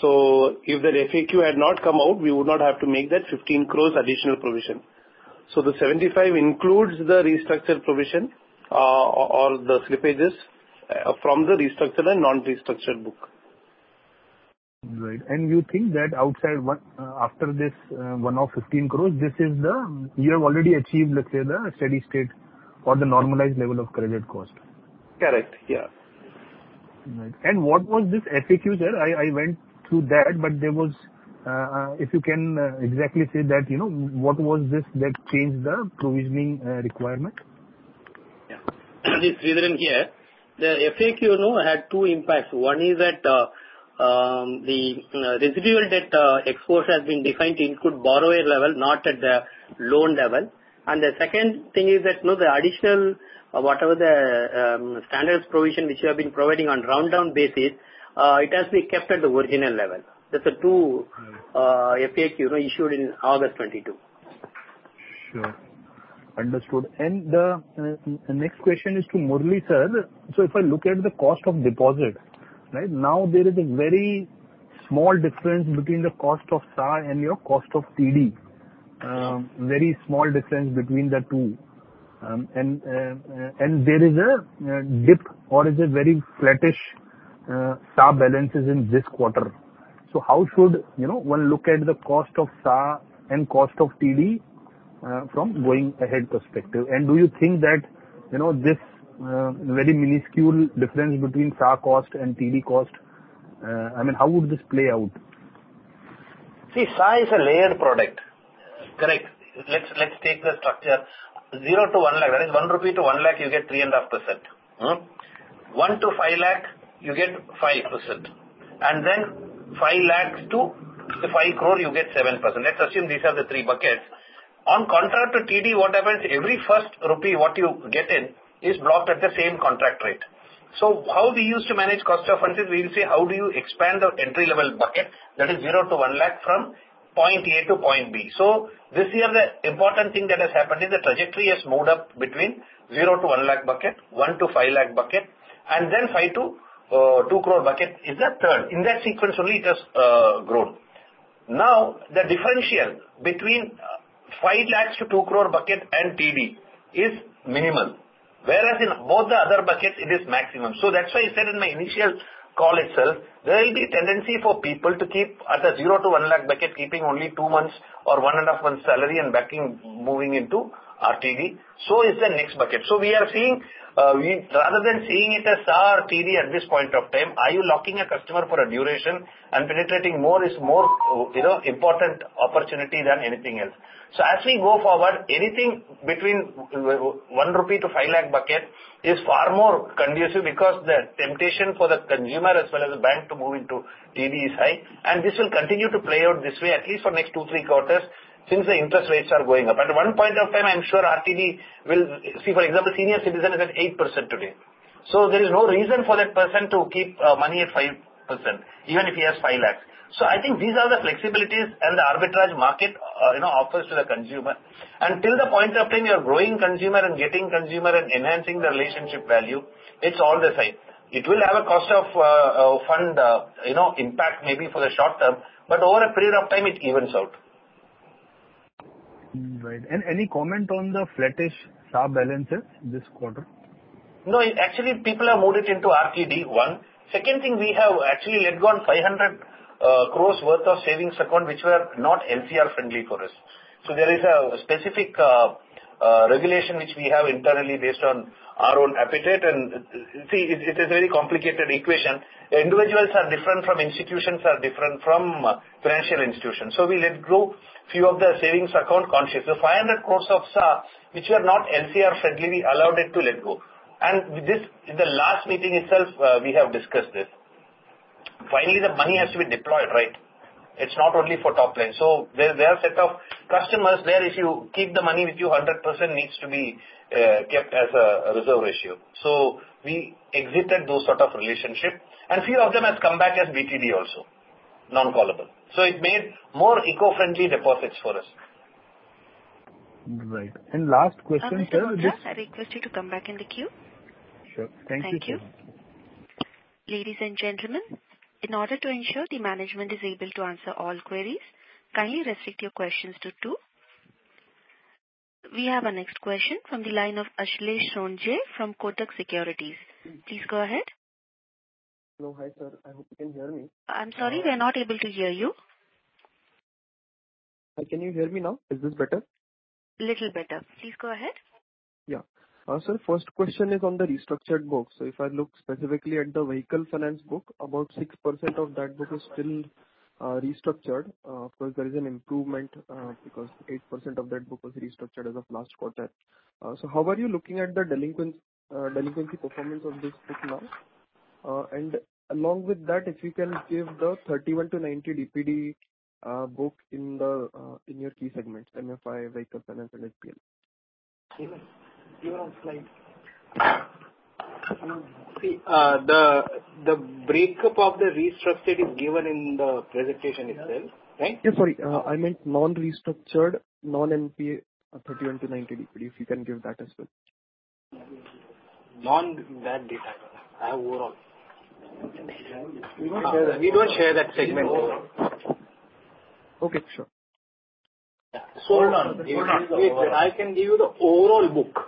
So if that FAQ had not come out, we would not have to make that 15 crore additional provision. So the 75 includes the restructured provision, or, or the slippages, from the restructured and non-restructured book. Right. And you think that outside what, after this, one-off 15 crore, this is the you have already achieved, let's say, the steady state or the normalized level of credit cost? Correct. Yeah. Right. And what was this FAQ, sir? I went through that, but there was, if you can exactly say that, you know, what was this that changed the provisioning requirement? Yeah. It's written here. The FAQ, you know, had two impacts. One is that, the residual debt exposure has been defined to include borrower level, not at the loan level. And the second thing is that, you know, the additional or whatever the standards provision which you have been providing on run-down basis, it has to be kept at the original level. That's the two FAQ, you know, issued in August 2022. Sure. Understood. And the next question is to Murali, sir. So if I look at the cost of deposit, right? Now, there is a very small difference between the cost of SA and your cost of TD. Very small difference between the two. And there is a dip or is a very flattish SA balances in this quarter. So how should, you know, one look at the cost of SA and cost of TD from going ahead perspective? And do you think that, you know, this very minuscule difference between SA cost and TD cost, I mean, how would this play out? See, SA is a layered product. Correct. Let's take the inr 0-INR 1 lakh, that is 1 lakh-1 lakh rupee, you get inr 1 lakh-INR 5 lakh, you get 5%, and 5 lakh-5 crore, you get 7%. Let's assume these are the buckets. In contrast to TD, what happens, every first rupee what you get in is blocked at the same contract rate. So how we used to manage cost of funds is, we will say: How do you expand the entry-level bucket that inr 0-INR 1 lakh from point A to point B? So this year, the important thing that has happened is the trajectory has moved inr 1 lakh-INR 5 lakh bucket, and 5 lakh-2 crore bucket, is that, in that sequence only it has grown. Now, the differential 5 lakh-2 crore bucket and TD is minimal, whereas in both the other buckets it is maximum. So that's why I said in my initial call itself, there will be a tendency for people to keep at inr 0-INR 1 lakh bucket, keeping only two months or 1.5 months' salary and parking, moving into our TD. So is the next bucket. So we are seeing, rather than seeing it as SA or TD at this point of time, are you locking a customer for a duration and penetrating more is more, you know, important opportunity than anything else. So as we go forward, inr 1 lakh-INR 5 lakh bucket is far more conducive because the temptation for the consumer as well as the bank to move into TD is high. And this will continue to play out this way, at least for next two, three quarters, since the interest rates are going up. At one point of time, I'm sure RTD will... See, for example, senior citizen is at 8% today, so there is no reason for that person to keep money at 5%, even if he has 5 lakhs. So I think these are the flexibilities and the arbitrage market, you know, offers to the consumer. And till the point of time you're growing consumer and getting consumer and enhancing the relationship value, it's all the same. It will have a cost of, fund, you know, impact maybe for the short term, but over a period of time, it evens out. Right. Any comment on the flattish SA balances this quarter? No, actually, people have moved it into RTD. One. Second thing, we have actually let go 500 crore worth of savings accounts, which were not LCR-friendly for us. So there is a specific regulation which we have internally based on our own appetite. And see, it is a very complicated equation. Individuals are different from institutions, are different from financial institutions, so we let go few of the savings accounts consciously. The 500 crore of SA, which were not LCR-friendly, we allowed it to let go. And with this, in the last meeting itself, we have discussed this. Finally, the money has to be deployed, right? It's not only for top line. So there are a set of customers where if you keep the money with you, 100% needs to be kept as a reserve ratio. So we exited those sort of relationship, and few of them has come back as BTD also, non-callable. So it made more CASA-friendly deposits for us. Right. And last question, sir, just- Mr. Murali, I request you to come back in the queue. Sure. Thank you. Thank you. Ladies and gentlemen, in order to ensure the management is able to answer all queries, kindly restrict your questions to two. We have our next question from the line of Ashlesh Sonje from Kotak Securities. Please go ahead. Hello. Hi, sir, I hope you can hear me. I'm sorry, we are not able to hear you. Hi, can you hear me now? Is this better? Little better. Please go ahead. Yeah. Sir, first question is on the restructured book. So if I look specifically at the vehicle finance book, about 6% of that book is still restructured. Of course, there is an improvement because 8% of that book was restructured as of last quarter. So how are you looking at the delinquency performance of this book now? And along with that, if you can give the 31-90 DPD book in the in your key segments, MFI, vehicle finance, and SBL.... See, the breakup of the restructured is given in the presentation itself, right? Yeah, sorry, I meant non-restructured, non-NPA, 31-90 DPD, if you can give that as well. No, that data, I have overall. We don't share that segment. Okay, sure. Hold on. I can give you the overall book.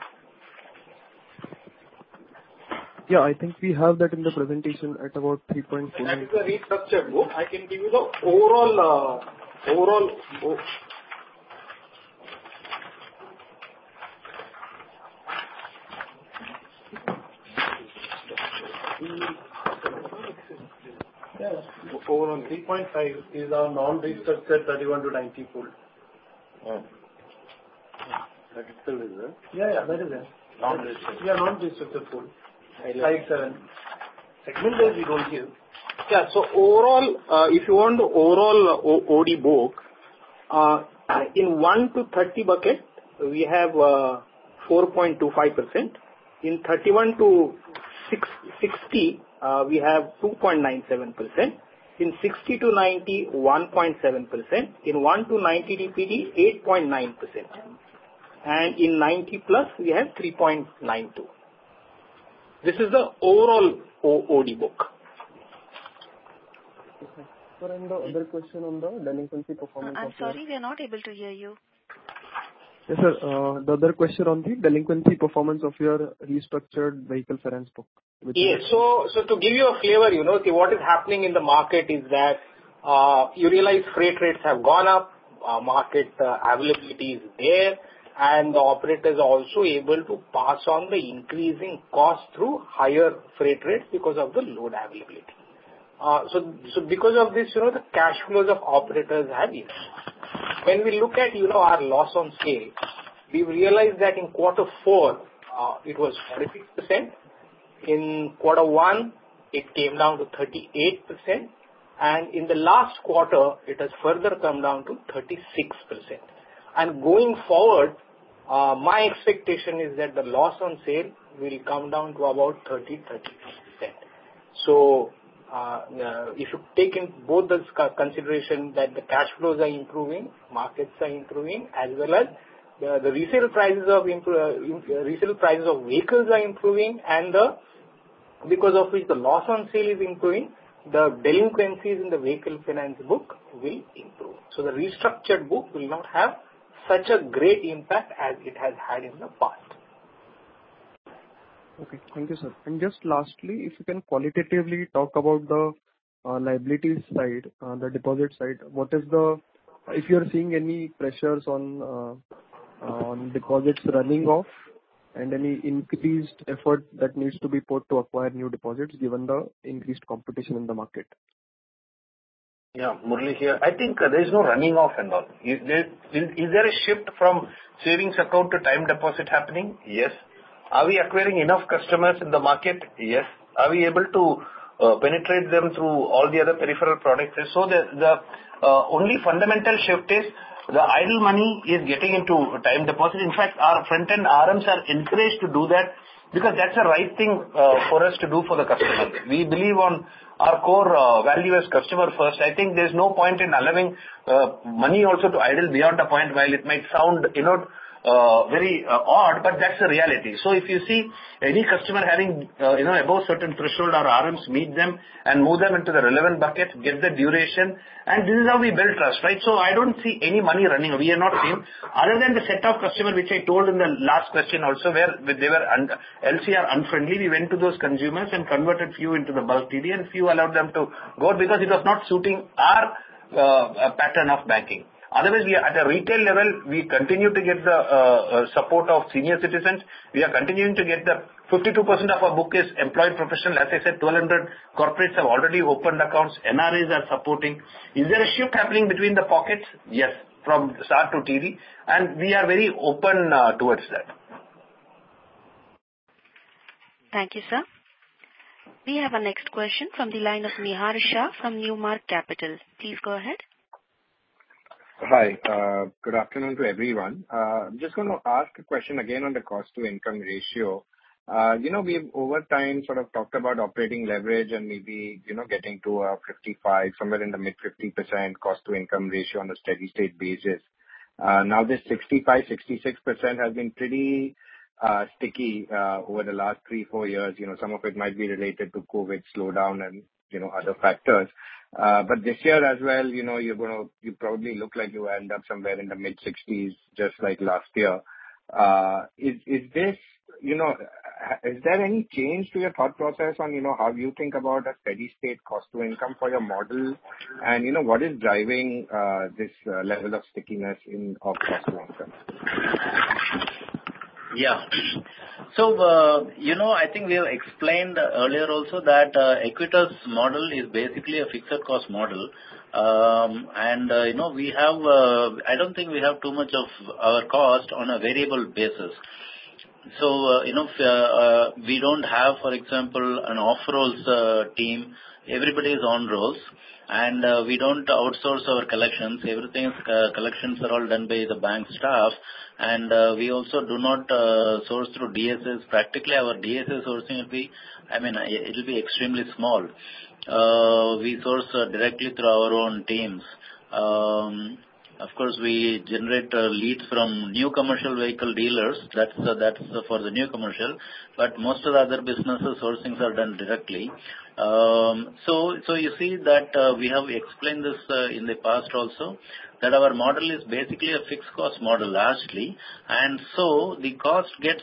Yeah, I think we have that in the presentation at about 3.2. That is the restructured book. I can give you the overall, overall book. Overall. 3.5 is our non-restructured 31-90 pool. Oh. That still is there? Yeah, yeah, that is there. Non-restructured. Yeah, non-restructured pool, 5, 7.Segment that we don't give. Yeah, so overall, if you want the overall OD book, in 1-30 bucket, we have 4.25%. In 31-60, we have 2.97%. In 60-90, 1.7%. In 1-90 DPD, 8.9%, and in 90+, we have 3.92%. This is the overall OD book. Okay. Sir, and the other question on the delinquency performance of- I'm sorry, we are not able to hear you. Yes, sir. The other question on the delinquency performance of your restructured vehicle finance book? Yeah. So to give you a flavor, you know, see, what is happening in the market is that you realize freight rates have gone up, market availability is there, and the operator is also able to pass on the increasing cost through higher freight rates because of the load availability. So because of this, you know, the cash flows of operators have increased. When we look at, you know, our loss on sale, we realize that in quarter four, it was 46%. In quarter one, it came down to 38%, and in the last quarter, it has further come down to 36%. And going forward, my expectation is that the loss on sale will come down to about 30%-35%. If you take into consideration that the cash flows are improving, markets are improving, as well as the resale prices of vehicles are improving, because of which the loss on sale is improving, the delinquencies in the Vehicle Finance book will improve. So the restructured book will not have such a great impact as it has had in the past. Okay. Thank you, sir. And just lastly, if you can qualitatively talk about the liability side, the deposit side, what is the... If you are seeing any pressures on deposits running off and any increased effort that needs to be put to acquire new deposits, given the increased competition in the market? Yeah, Murali here. I think there's no running off and all. Is there a shift from savings account to time deposit happening? Yes. Are we acquiring enough customers in the market? Yes. Are we able to penetrate them through all the other peripheral products? So the only fundamental shift is the idle money is getting into time deposit. In fact, our front-end RMs are encouraged to do that because that's the right thing for us to do for the customer. We believe on our core value as customer first. I think there's no point in allowing money also to idle beyond a point while it might sound, you know, very odd, but that's the reality. So if you see any customer having, you know, above certain threshold, our RMs meet them and move them into the relevant bucket, give the duration, and this is how we build trust, right? So I don't see any money running. We have not seen. Other than the set of customer, which I told in the last question also, where they were LCR-unfriendly, we went to those consumers and converted few into the bulk TD, and few allowed them to go because it was not suiting our, pattern of banking. Otherwise, we are at a retail level, we continue to get the, support of senior citizens. We are continuing to get the. 52% of our book is employed professional. As I said, 1,200 corporates have already opened accounts, NRIs are supporting. Is there a shift happening between the pockets? Yes, from SA to TD, and we are very open towards that. Thank you, sir. We have our next question from the line of Nihar Shah from New Mark Capital. Please go ahead. Hi. Good afternoon to everyone. Just want to ask a question again on the cost-to-income ratio. You know, we've over time sort of talked about operating leverage and maybe, you know, getting to, 55%, somewhere in the mid-50% cost-to-income ratio on a steady state basis. Now, this 65%-66% has been pretty sticky over the last three to four years. You know, some of it might be related to COVID slowdown and, you know, other factors. But this year as well, you know, you're gonna—you probably look like you end up somewhere in the mid-60%s, just like last year. Is this, you know, is there any change to your thought process on, you know, how you think about a steady state cost to income for your model? You know, what is driving this level of stickiness in of cost to income? Yeah. So, you know, I think we have explained earlier also that Equitas' model is basically a fixed cost model. And, you know, we have, I don't think we have too much of our cost on a variable basis. So, you know, we don't have, for example, an off-rolls team. Everybody is on rolls. We don't outsource our collections. Everything is, collections are all done by the bank staff, and we also do not source through DSA. Practically, our DSA sourcing will be, I mean, it'll be extremely small. We source directly through our own teams. Of course, we generate leads from new commercial vehicle dealers. That's the, that's for the new commercial, but most of the other businesses sourcings are done directly. So you see that we have explained this in the past also, that our model is basically a fixed cost model largely, and so the cost gets,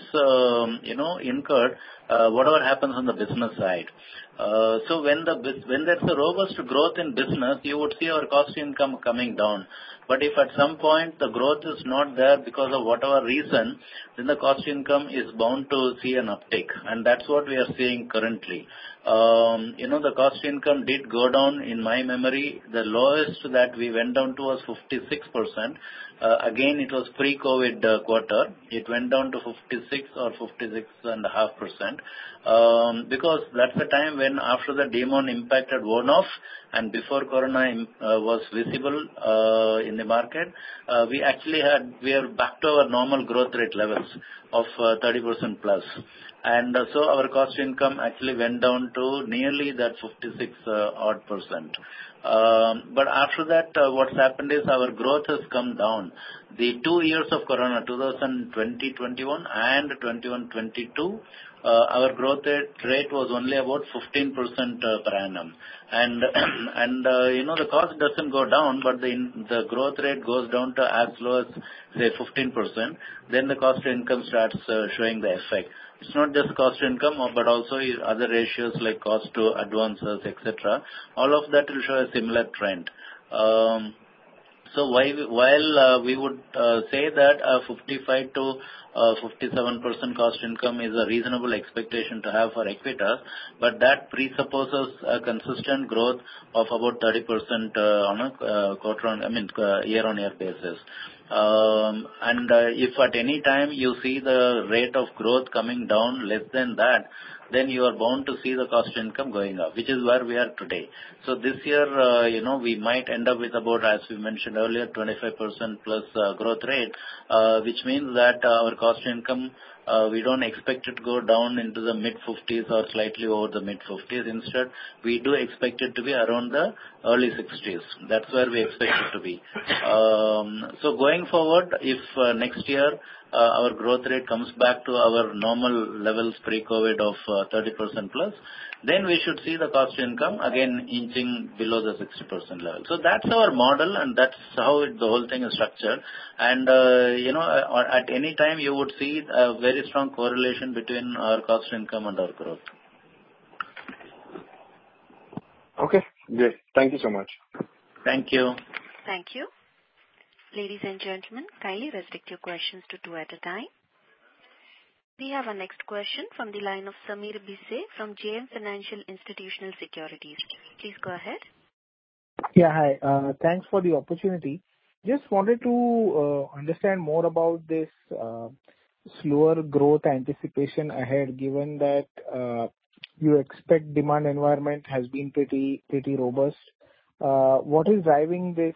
you know, incurred, whatever happens on the business side. So when there's a robust growth in business, you would see our cost income coming down. But if at some point, the growth is not there because of whatever reason, then the cost income is bound to see an uptick, and that's what we are seeing currently. You know, the cost income did go down, in my memory, the lowest that we went down to was 56%. Again, it was pre-COVID quarter. It went down to 56% or 56.5%, because that's the time when after the demon impacted one-off and before corona was visible in the market, we actually had. We are back to our normal growth rate levels of 30% plus. And so our cost income actually went down to nearly that 56% odd. But after that, what's happened is our growth has come down. The two years of corona, 2020, 2021 and 2021, 2022, our growth rate was only about 15% per annum. And, you know, the cost doesn't go down, but the growth rate goes down to as low as, say, 15%, then the cost to income starts showing the effect. It's not just cost to income, but also other ratios like cost to advances, et cetera. All of that will show a similar trend. So why, while, we would say that 55%-57% cost income is a reasonable expectation to have for Equitas, but that presupposes a consistent growth of about 30% on a quarter on, I mean, year-on-year basis. If at any time you see the rate of growth coming down less than that, then you are bound to see the cost income going up, which is where we are today. So this year, you know, we might end up with about, as we mentioned earlier, 25%+ growth rate, which means that our cost income, we don't expect it to go down into the mid-50%s or slightly over the mid-50%s. Instead, we do expect it to be around the early 60%s. That's where we expect it to be. So going forward, if next year our growth rate comes back to our normal levels pre-COVID of 30%+, then we should see the cost income again inching below the 60% level. So that's our model, and that's how it, the whole thing is structured. You know, at any time you would see a very strong correlation between our cost income and our growth. Okay, great. Thank you so much. Thank you. Thank you. Ladies and gentlemen, kindly restrict your questions to two at a time. We have our next question from the line of Sameer Bhise from JM Financial Institutional Securities. Please, go ahead. Yeah, hi. Thanks for the opportunity. Just wanted to understand more about this slower growth anticipation ahead, given that you expect demand environment has been pretty, pretty robust. What is driving this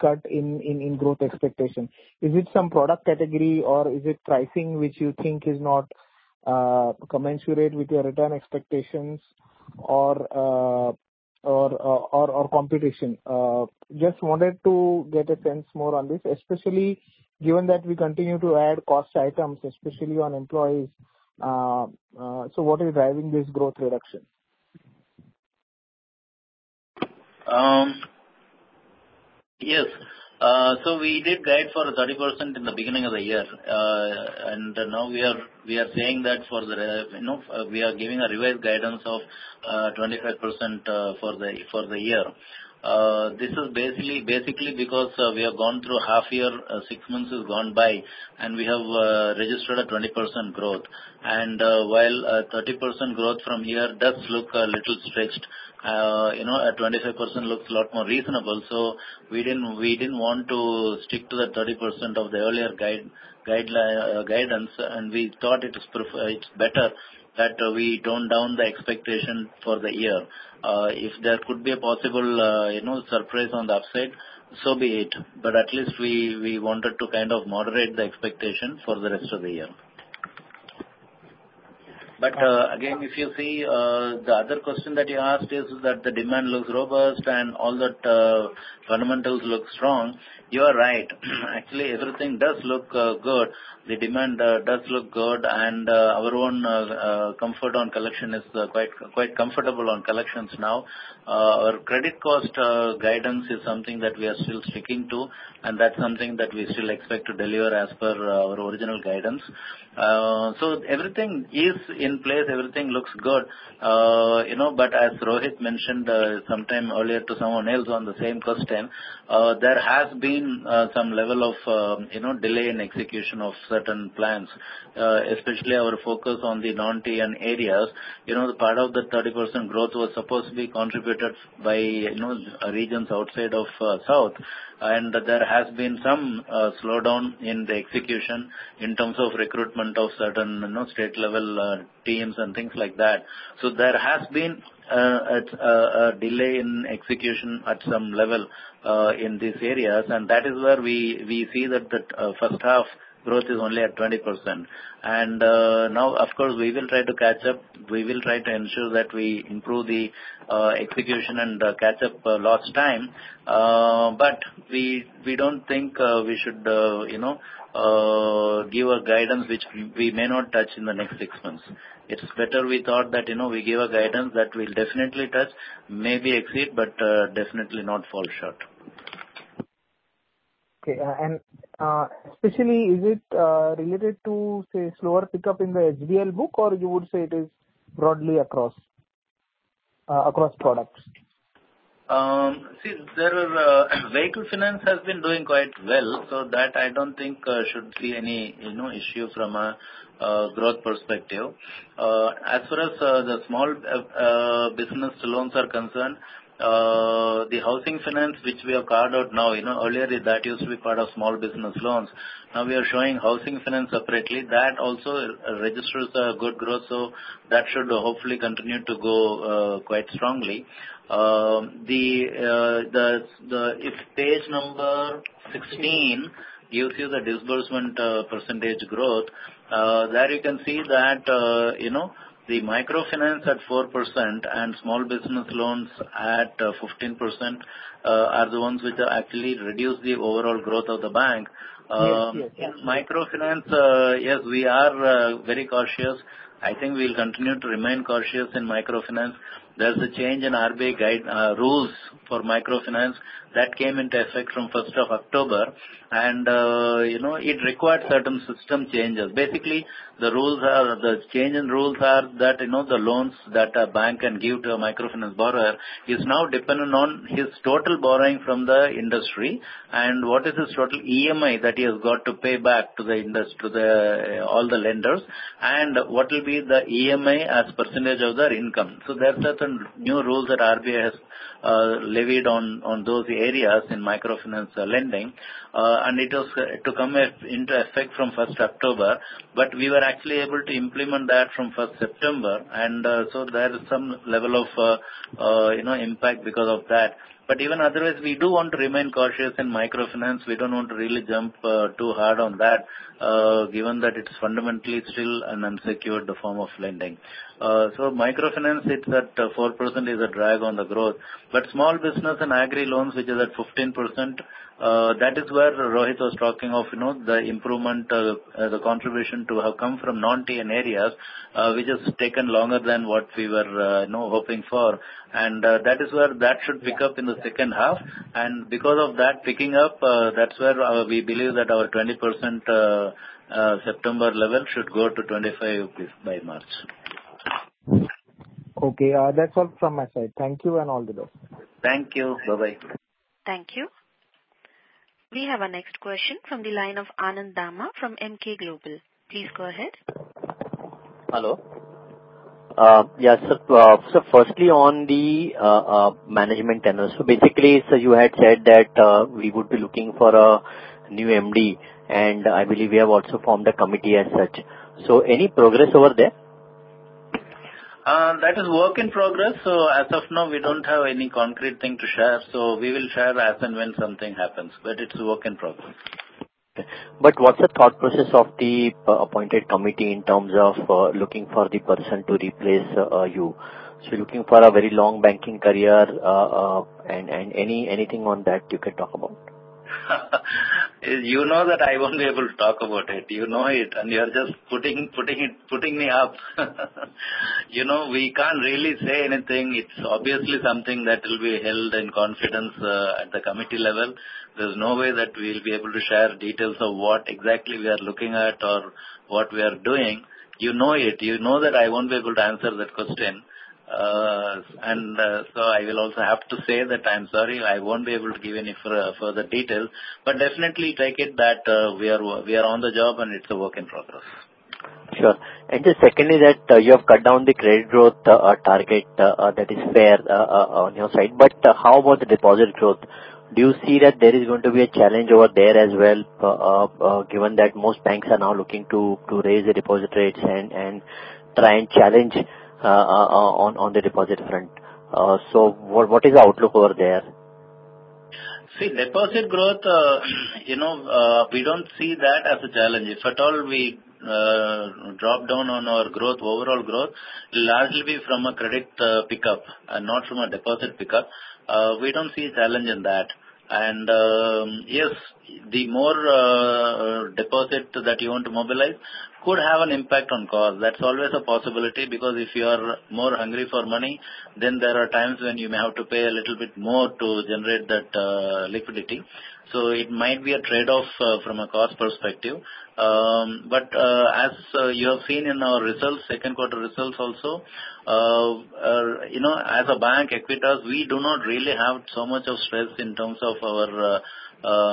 cut in growth expectation? Is it some product category, or is it pricing, which you think is not commensurate with your return expectations or competition? Just wanted to get a sense more on this, especially given that we continue to add cost items, especially on employees. So what is driving this growth reduction? Yes. So we did guide for 30% in the beginning of the year, and now we are, we are saying that for the, you know, we are giving a revised guidance of 25% for the year. This is basically because we have gone through half year, six months has gone by, and we have registered a 20% growth. And while 30% growth from here does look a little stretched, you know, at 25% looks a lot more reasonable. So we didn't, we didn't want to stick to the 30% of the earlier guidance, and we thought it is better that we tone down the expectation for the year. If there could be a possible, you know, surprise on the upside, so be it, but at least we, we wanted to kind of moderate the expectation for the rest of the year. But, again, if you see, the other question that you asked is that the demand looks robust and all that, fundamentals look strong. You are right. Actually, everything does look good. The demand does look good, and, our own, comfort on collection is quite, quite comfortable on collections now. Our credit cost guidance is something that we are still sticking to, and that's something that we still expect to deliver as per our original guidance. So everything is in place, everything looks good, you know, but as Rohit mentioned, sometime earlier to someone else on the same question, there has been some level of, you know, delay in execution of certain plans, especially our focus on the non-TN areas. You know, part of the 30% growth was supposed to be contributed by, you know, regions outside of south, and there has been some slowdown in the execution in terms of recruitment of certain, you know, state-level teams and things like that. So there has been, it's a delay in execution at some level in these areas, and that is where we see that the first half growth is only at 20%. And now, of course, we will try to catch up. We will try to ensure that we improve the execution and catch up for lost time. But we don't think we should, you know, give a guidance which we may not touch in the next six months. It's better we thought that, you know, we give a guidance that we'll definitely touch, maybe exceed, but definitely not fall short. Okay. Especially, is it related to, say, slower pickup in the HBL book, or you would say it is broadly across products? See, there are, vehicle finance has been doing quite well, so that I don't think, should be any, you know, issue from a, growth perspective. As far as, the small, business loans are concerned, the housing finance which we have carved out now, you know, earlier that used to be part of small business loans. Now we are showing housing finance separately. That also registers a good growth, so that should hopefully continue to go, quite strongly. If page number 16, you see the disbursement, percentage growth, there you can see that, you know, the microfinance at 4% and small business loans at, 15%, are the ones which actually reduce the overall growth of the bank. Yes, yes. Microfinance, yes, we are very cautious. I think we'll continue to remain cautious in microfinance. There's a change in RBI guidelines rules for microfinance that came into effect from first of October. You know, it required certain system changes. Basically, the rules are, the change in rules are that, you know, the loans that a bank can give to a microfinance borrower is now dependent on his total borrowing from the industry and what is his total EMI that he has got to pay back to the industry, to all the lenders, and what will be the EMI as percentage of their income. So there are certain new rules that RBI has levied on those areas in microfinance lending, and it was to come into effect from first October. But we were actually able to implement that from first September, and, so there is some level of, you know, impact because of that. But even otherwise, we do want to remain cautious in microfinance. We don't want to really jump, too hard on that, given that it's fundamentally still an unsecured form of lending. So microfinance, it's at 4%, is a drag on the growth. But small business and agri loans, which is at 15%, that is where Rohit was talking of, you know, the improvement, the contribution to have come from non-TN areas, which has taken longer than what we were, you know, hoping for. And, that is where that should pick up in the second half. Because of that picking up, that's where we believe that our 20% September level should go to 25 by March. Okay. That's all from my side. Thank you and all the best. Thank you. Bye-bye. Thank you. We have our next question from the line of Anand Dama from Emkay Global. Please go ahead. Hello. Yes, so firstly, on the management tenure. So basically, so you had said that we would be looking for a new MD, and I believe we have also formed a committee as such. So any progress over there? That is work in progress, so as of now, we don't have any concrete thing to share. So we will share as and when something happens, but it's a work in progress. Okay. But what's the thought process of the appointed committee in terms of looking for the person to replace you? So looking for a very long banking career, and anything on that you can talk about? You know that I won't be able to talk about it. You know it, and you are just putting, putting it - putting me up. You know, we can't really say anything. It's obviously something that will be held in confidence at the committee level. There's no way that we'll be able to share details of what exactly we are looking at or what we are doing. You know it. You know that I won't be able to answer that question. And so I will also have to say that I'm sorry, I won't be able to give any further details, but definitely take it that we are on the job, and it's a work in progress. Sure. And just secondly, that you have cut down the credit growth target, that is fair on your side, but how about the deposit growth? Do you see that there is going to be a challenge over there as well, given that most banks are now looking to raise the deposit rates and try and challenge on the deposit front? So what is the outlook over there? See, deposit growth, you know, we don't see that as a challenge. If at all, we drop down on our growth, overall growth, it will largely be from a credit pickup and not from a deposit pickup. We don't see a challenge in that. Yes, the more deposit that you want to mobilize could have an impact on cost. That's always a possibility, because if you are more hungry for money, then there are times when you may have to pay a little bit more to generate that liquidity. It might be a trade-off from a cost perspective. But, as you have seen in our results, second quarter results also, you know, as a bank, Equitas, we do not really have so much of stress in terms of our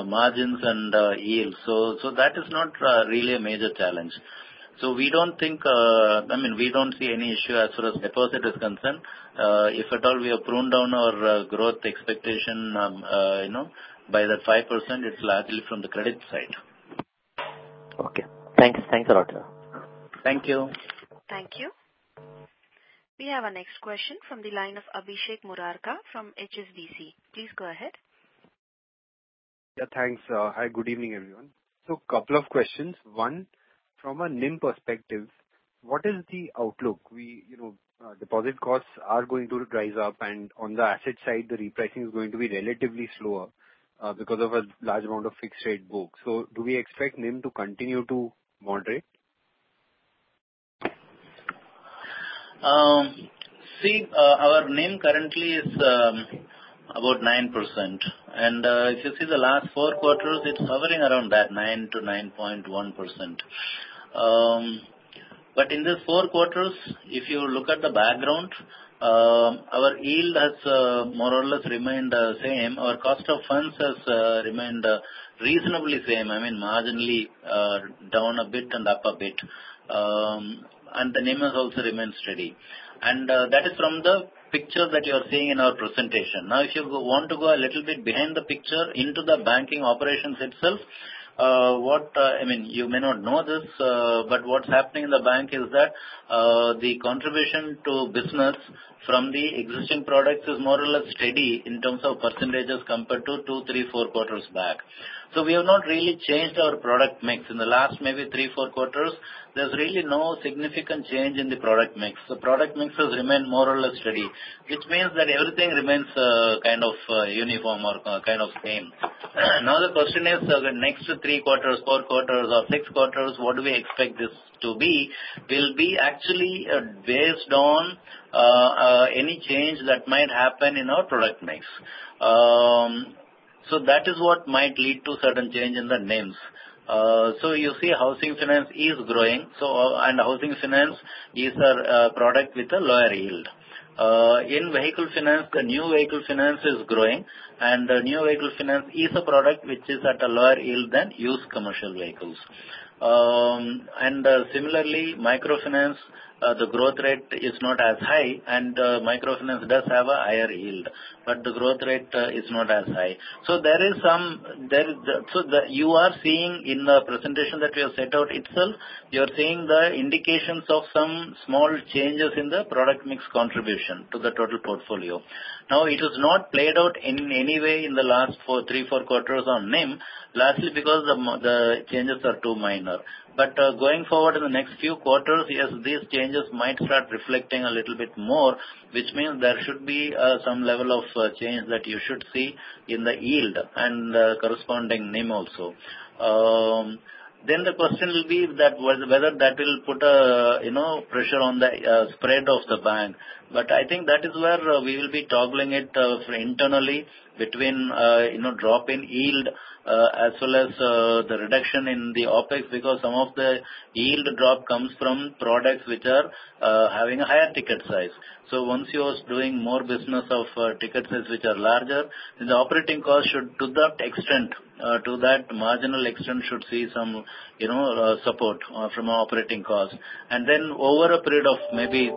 margins and yields. So that is not really a major challenge. So we don't think... I mean, we don't see any issue as far as deposit is concerned. If at all, we have pruned down our growth expectation, you know, by the 5%, it's largely from the credit side. Okay, thanks. Thanks a lot, sir. Thank you. Thank you. We have our next question from the line of Abhishek Murarka from HSBC. Please go ahead. Yeah, thanks. Hi, good evening, everyone. So couple of questions. One, from a NIM perspective, what is the outlook? We, you know, deposit costs are going to rise up, and on the asset side, the repricing is going to be relatively slower, because of a large amount of fixed rate book. So do we expect NIM to continue to moderate? See, our NIM currently is about 9%, and if you see the last four quarters, it's hovering around that 9%-9.1%. But in these four quarters, if you look at the background, our yield has more or less remained the same. Our cost of funds has remained reasonably same. I mean, marginally down a bit and up a bit, and the NIM has also remained steady. And that is from the picture that you are seeing in our presentation. Now, if you want to go a little bit behind the picture into the banking operations itself, what... I mean, you may not know this, but what's happening in the bank is that, the contribution to business from the existing products is more or less steady in terms of percentages, compared to two, three, four quarters back. So we have not really changed our product mix. In the last maybe three, four quarters, there's really no significant change in the product mix. The product mix has remained more or less steady, which means that everything remains, kind of, uniform or, kind of same. Now, the question is, the next three quarters, four quarters or six quarters, what do we expect this to be? Will be actually, based on, any change that might happen in our product mix. So that is what might lead to certain change in the NIMs. So you see, housing finance is growing, and housing finance is a product with a lower yield. In vehicle finance, the new vehicle finance is growing, and the new vehicle finance is a product which is at a lower yield than used commercial vehicles. Similarly, microfinance, the growth rate is not as high, and microfinance does have a higher yield, but the growth rate is not as high. So you are seeing in the presentation that we have set out itself, you are seeing the indications of some small changes in the product mix contribution to the total portfolio. Now, it is not played out in any way in the last three or four quarters on NIM, lastly, because the changes are too minor. But, going forward in the next few quarters, yes, these changes might start reflecting a little bit more, which means there should be, some level of, change that you should see in the yield and the corresponding NIM also. Then the question will be that, whether, whether that will put a, you know, pressure on the, spread of the bank. But I think that is where, we will be toggling it, internally between, you know, drop in yield, as well as, the reduction in the OpEx, because some of the yield drop comes from products which are, having a higher ticket size. So once you're doing more business of, ticket size, which are larger, the operating costs should, to that extent, to that marginal extent, should see some, you know, support, from operating costs. Then over a period of maybe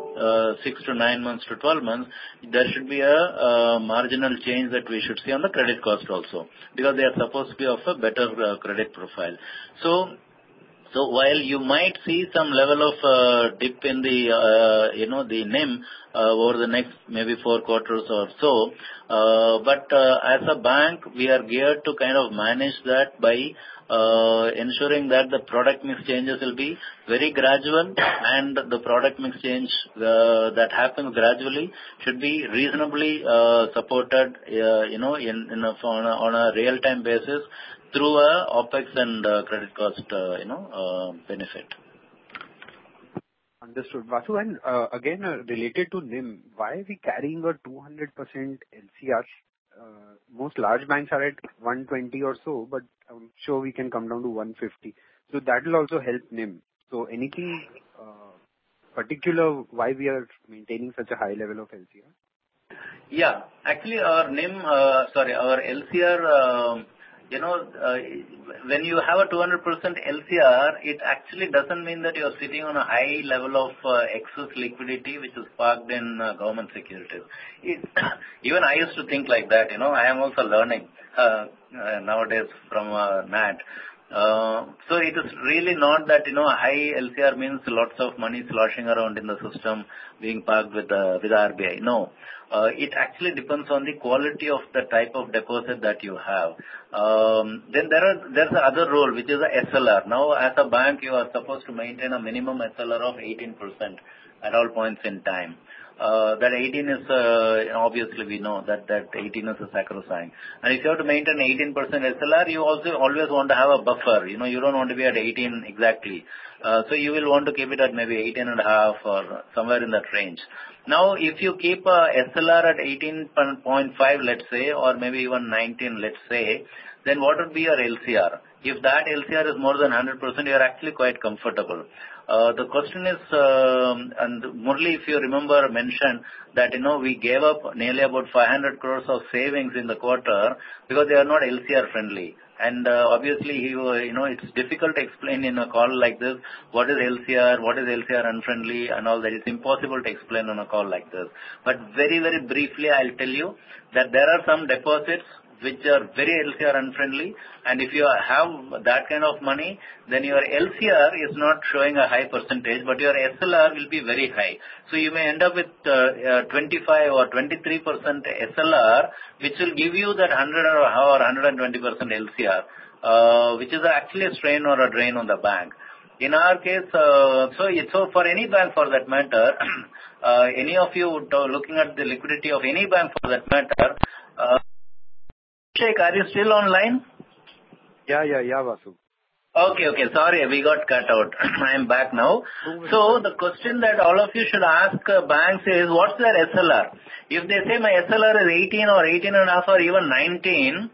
six-nine months to 12 months, there should be a marginal change that we should see on the credit cost also, because they are supposed to be of a better credit profile. So while you might see some level of dip in the, you know, the NIM over the next maybe four quarters or so, but as a bank, we are geared to kind of manage that by ensuring that the product mix changes will be very gradual, and the product mix change that happens gradually should be reasonably supported, you know, in, in a, on a, on a real-time basis through OpEx and credit cost, you know, benefit. Understood. Vasu, and, again, related to NIM, why are we carrying a 200% LCR? Most large banks are at 120% or so, but I'm sure we can come down to 150%. So that will also help NIM. So anything particular why we are maintaining such a high level of LCR? Yeah, actually, our NIM, sorry, our LCR, you know, when you have a 200% LCR, it actually doesn't mean that you're sitting on a high level of, excess liquidity, which is parked in, government securities. It... Even I used to think like that, you know. I am also learning, nowadays from, Nat. so it is really not that, you know, high LCR means lots of money sloshing around in the system, being parked with, with RBI. No. it actually depends on the quality of the type of deposit that you have. then there are, there's another ratio, which is a SLR. Now, as a bank, you are supposed to maintain a minimum SLR of 18% at all points in time. That 18%% is obviously we know that, that 18 is a sacrosanct, and if you have to maintain 18% SLR, you also always want to have a buffer. You know, you don't want to be at 18% exactly. So you will want to keep it at maybe 18.5 or somewhere in that range. Now, if you keep a SLR at 18.5%, let's say, or maybe even 19%, let's say, then what would be your LCR? If that LCR is more than 100%, you are actually quite comfortable. The question is, and Murali, if you remember, mentioned that, you know, we gave up nearly about 500 crore of savings in the quarter because they are not LCR-friendly. Obviously, he was, you know, it's difficult to explain in a call like this, what is LCR, what is LCR unfriendly and all that. It's impossible to explain on a call like this. But very, very briefly, I'll tell you that there are some deposits which are very LCR unfriendly, and if you have that kind of money, then your LCR is not showing a high percentage, but your SLR will be very high. So you may end up with 25% or 23% SLR, which will give you that 100% or 120% LCR, which is actually a strain or a drain on the bank. In our case, so, so for any bank for that matter, any of you would looking at the liquidity of any bank for that matter, Abhishek, are you still online? Yeah, yeah, yeah, Vasu. Okay, okay. Sorry, we got cut out. I'm back now. So the question that all of you should ask banks is what's their SLR? If they say my SLR is 18% or 18.5% or even 19%,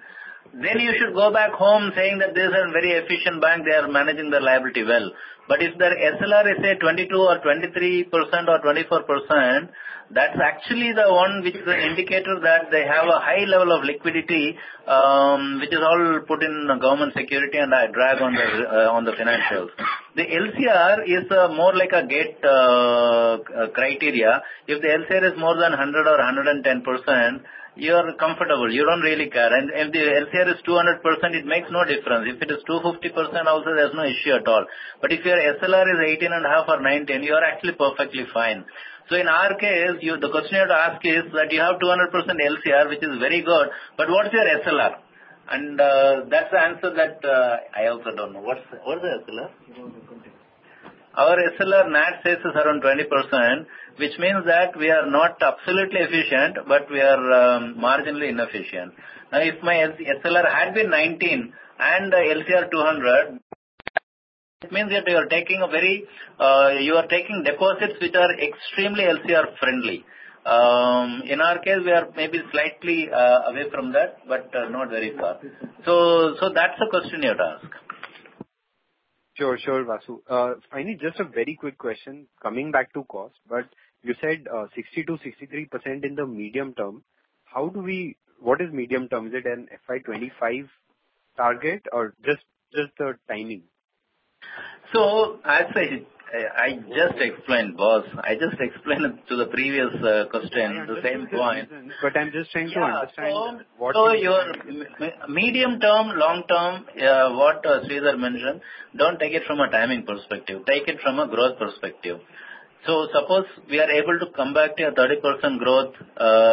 then you should go back home saying that this is a very efficient bank, they are managing their liability well. But if their SLR is, say, 22% or 23% or 24%, that's actually the one which is an indicator that they have a high level of liquidity, which is all put in government security and a drag on the on the financials. The LCR is more like a gate criteria. If the LCR is more than 100% or 110%, you are comfortable, you don't really care. And if the LCR is 200%, it makes no difference. If it is 250% also, there's no issue at all. But if your SLR is 18.5% or 19%, you are actually perfectly fine. So in our case, you, the question you have to ask is that you have 200% LCR, which is very good, but what's your SLR? And, that's the answer that, I also don't know. What's the SLR? You know the company. Our SLR net says is around 20%, which means that we are not absolutely efficient, but we are marginally inefficient. Now, if my SLR had been 19 and the LCR 200, it means that you are taking a very you are taking deposits which are extremely LCR-friendly. In our case, we are maybe slightly away from that, but not very far. So that's the question you have to ask. Sure, sure, Vasu. Finally, just a very quick question, coming back to cost, but you said 60%-63% in the medium term. How do we... What is medium term? Is FY 2025 target or just, just a timing? So as I just explained, boss, I just explained it to the previous question, the same point. But I'm just trying to understand what- So your medium term, long term, what Sridhar mentioned, don't take it from a timing perspective, take it from a growth perspective. So suppose we are able to come back to your 30% growth,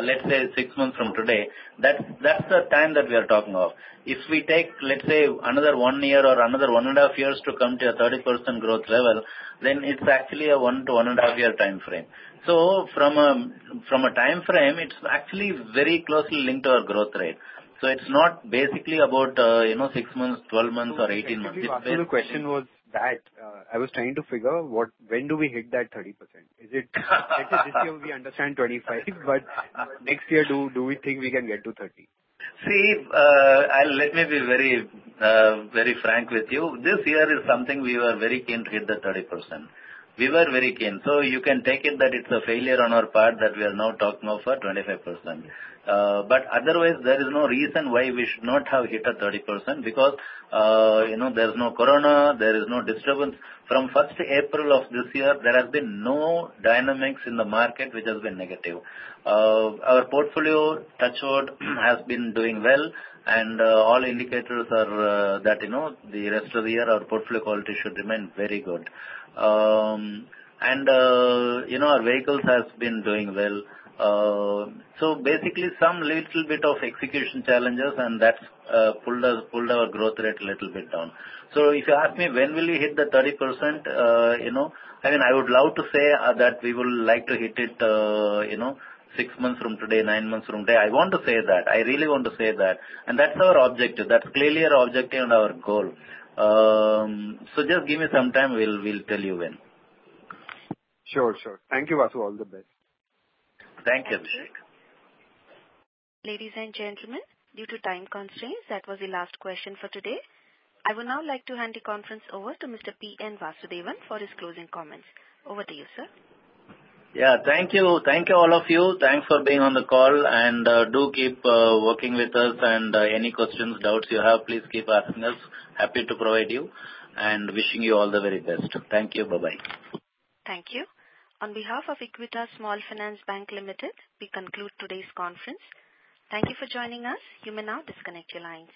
let's say six months from today, that's, that's the time that we are talking of. If we take, let's say, another one year or another one and a half years to come to a 30% growth level, then it's actually a one to one and a half year time frame. So from a, from a time frame, it's actually very closely linked to our growth rate. So it's not basically about, you know, six months, 12 months, or 18 months. Actually, Vasu, the question was that I was trying to figure what, when do we hit that 30%? Is it this year we understand 25, but next year, do we think we can get to 30%? See, let me be very frank with you. This year is something we were very keen to hit the 30%. We were very keen, so you can take it that it's a failure on our part that we are now talking of for 25%. But otherwise, there is no reason why we should not have hit a 30%, because, you know, there's no corona, there is no disturbance. From first April of this year, there has been no dynamics in the market, which has been negative. Our portfolio, touch wood, has been doing well, and all indicators are that, you know, the rest of the year, our portfolio quality should remain very good. And, you know, our vehicles has been doing well. So basically some little bit of execution challenges, and that's pulled our, pulled our growth rate a little bit down. So if you ask me, when will you hit the 30%? You know, I mean, I would love to say that we would like to hit it, you know, six months from today, nine months from today. I want to say that, I really want to say that, and that's our objective. That's clearly our objective and our goal. So just give me some time, we'll, we'll tell you when. Sure. Sure. Thank you, Vasu. All the best. Thank you, Abhishek. Ladies and gentlemen, due to time constraints, that was the last question for today. I would now like to hand the conference over to Mr. P. N. Vasudevan for his closing comments. Over to you, sir. Yeah, thank you. Thank you, all of you. Thanks for being on the call, and do keep working with us, and any questions, doubts you have, please keep asking us. Happy to provide you, and wishing you all the very best. Thank you. Bye-bye. Thank you. On behalf of Equitas Small Finance Bank Limited, we conclude today's conference. Thank you for joining us. You may now disconnect your line.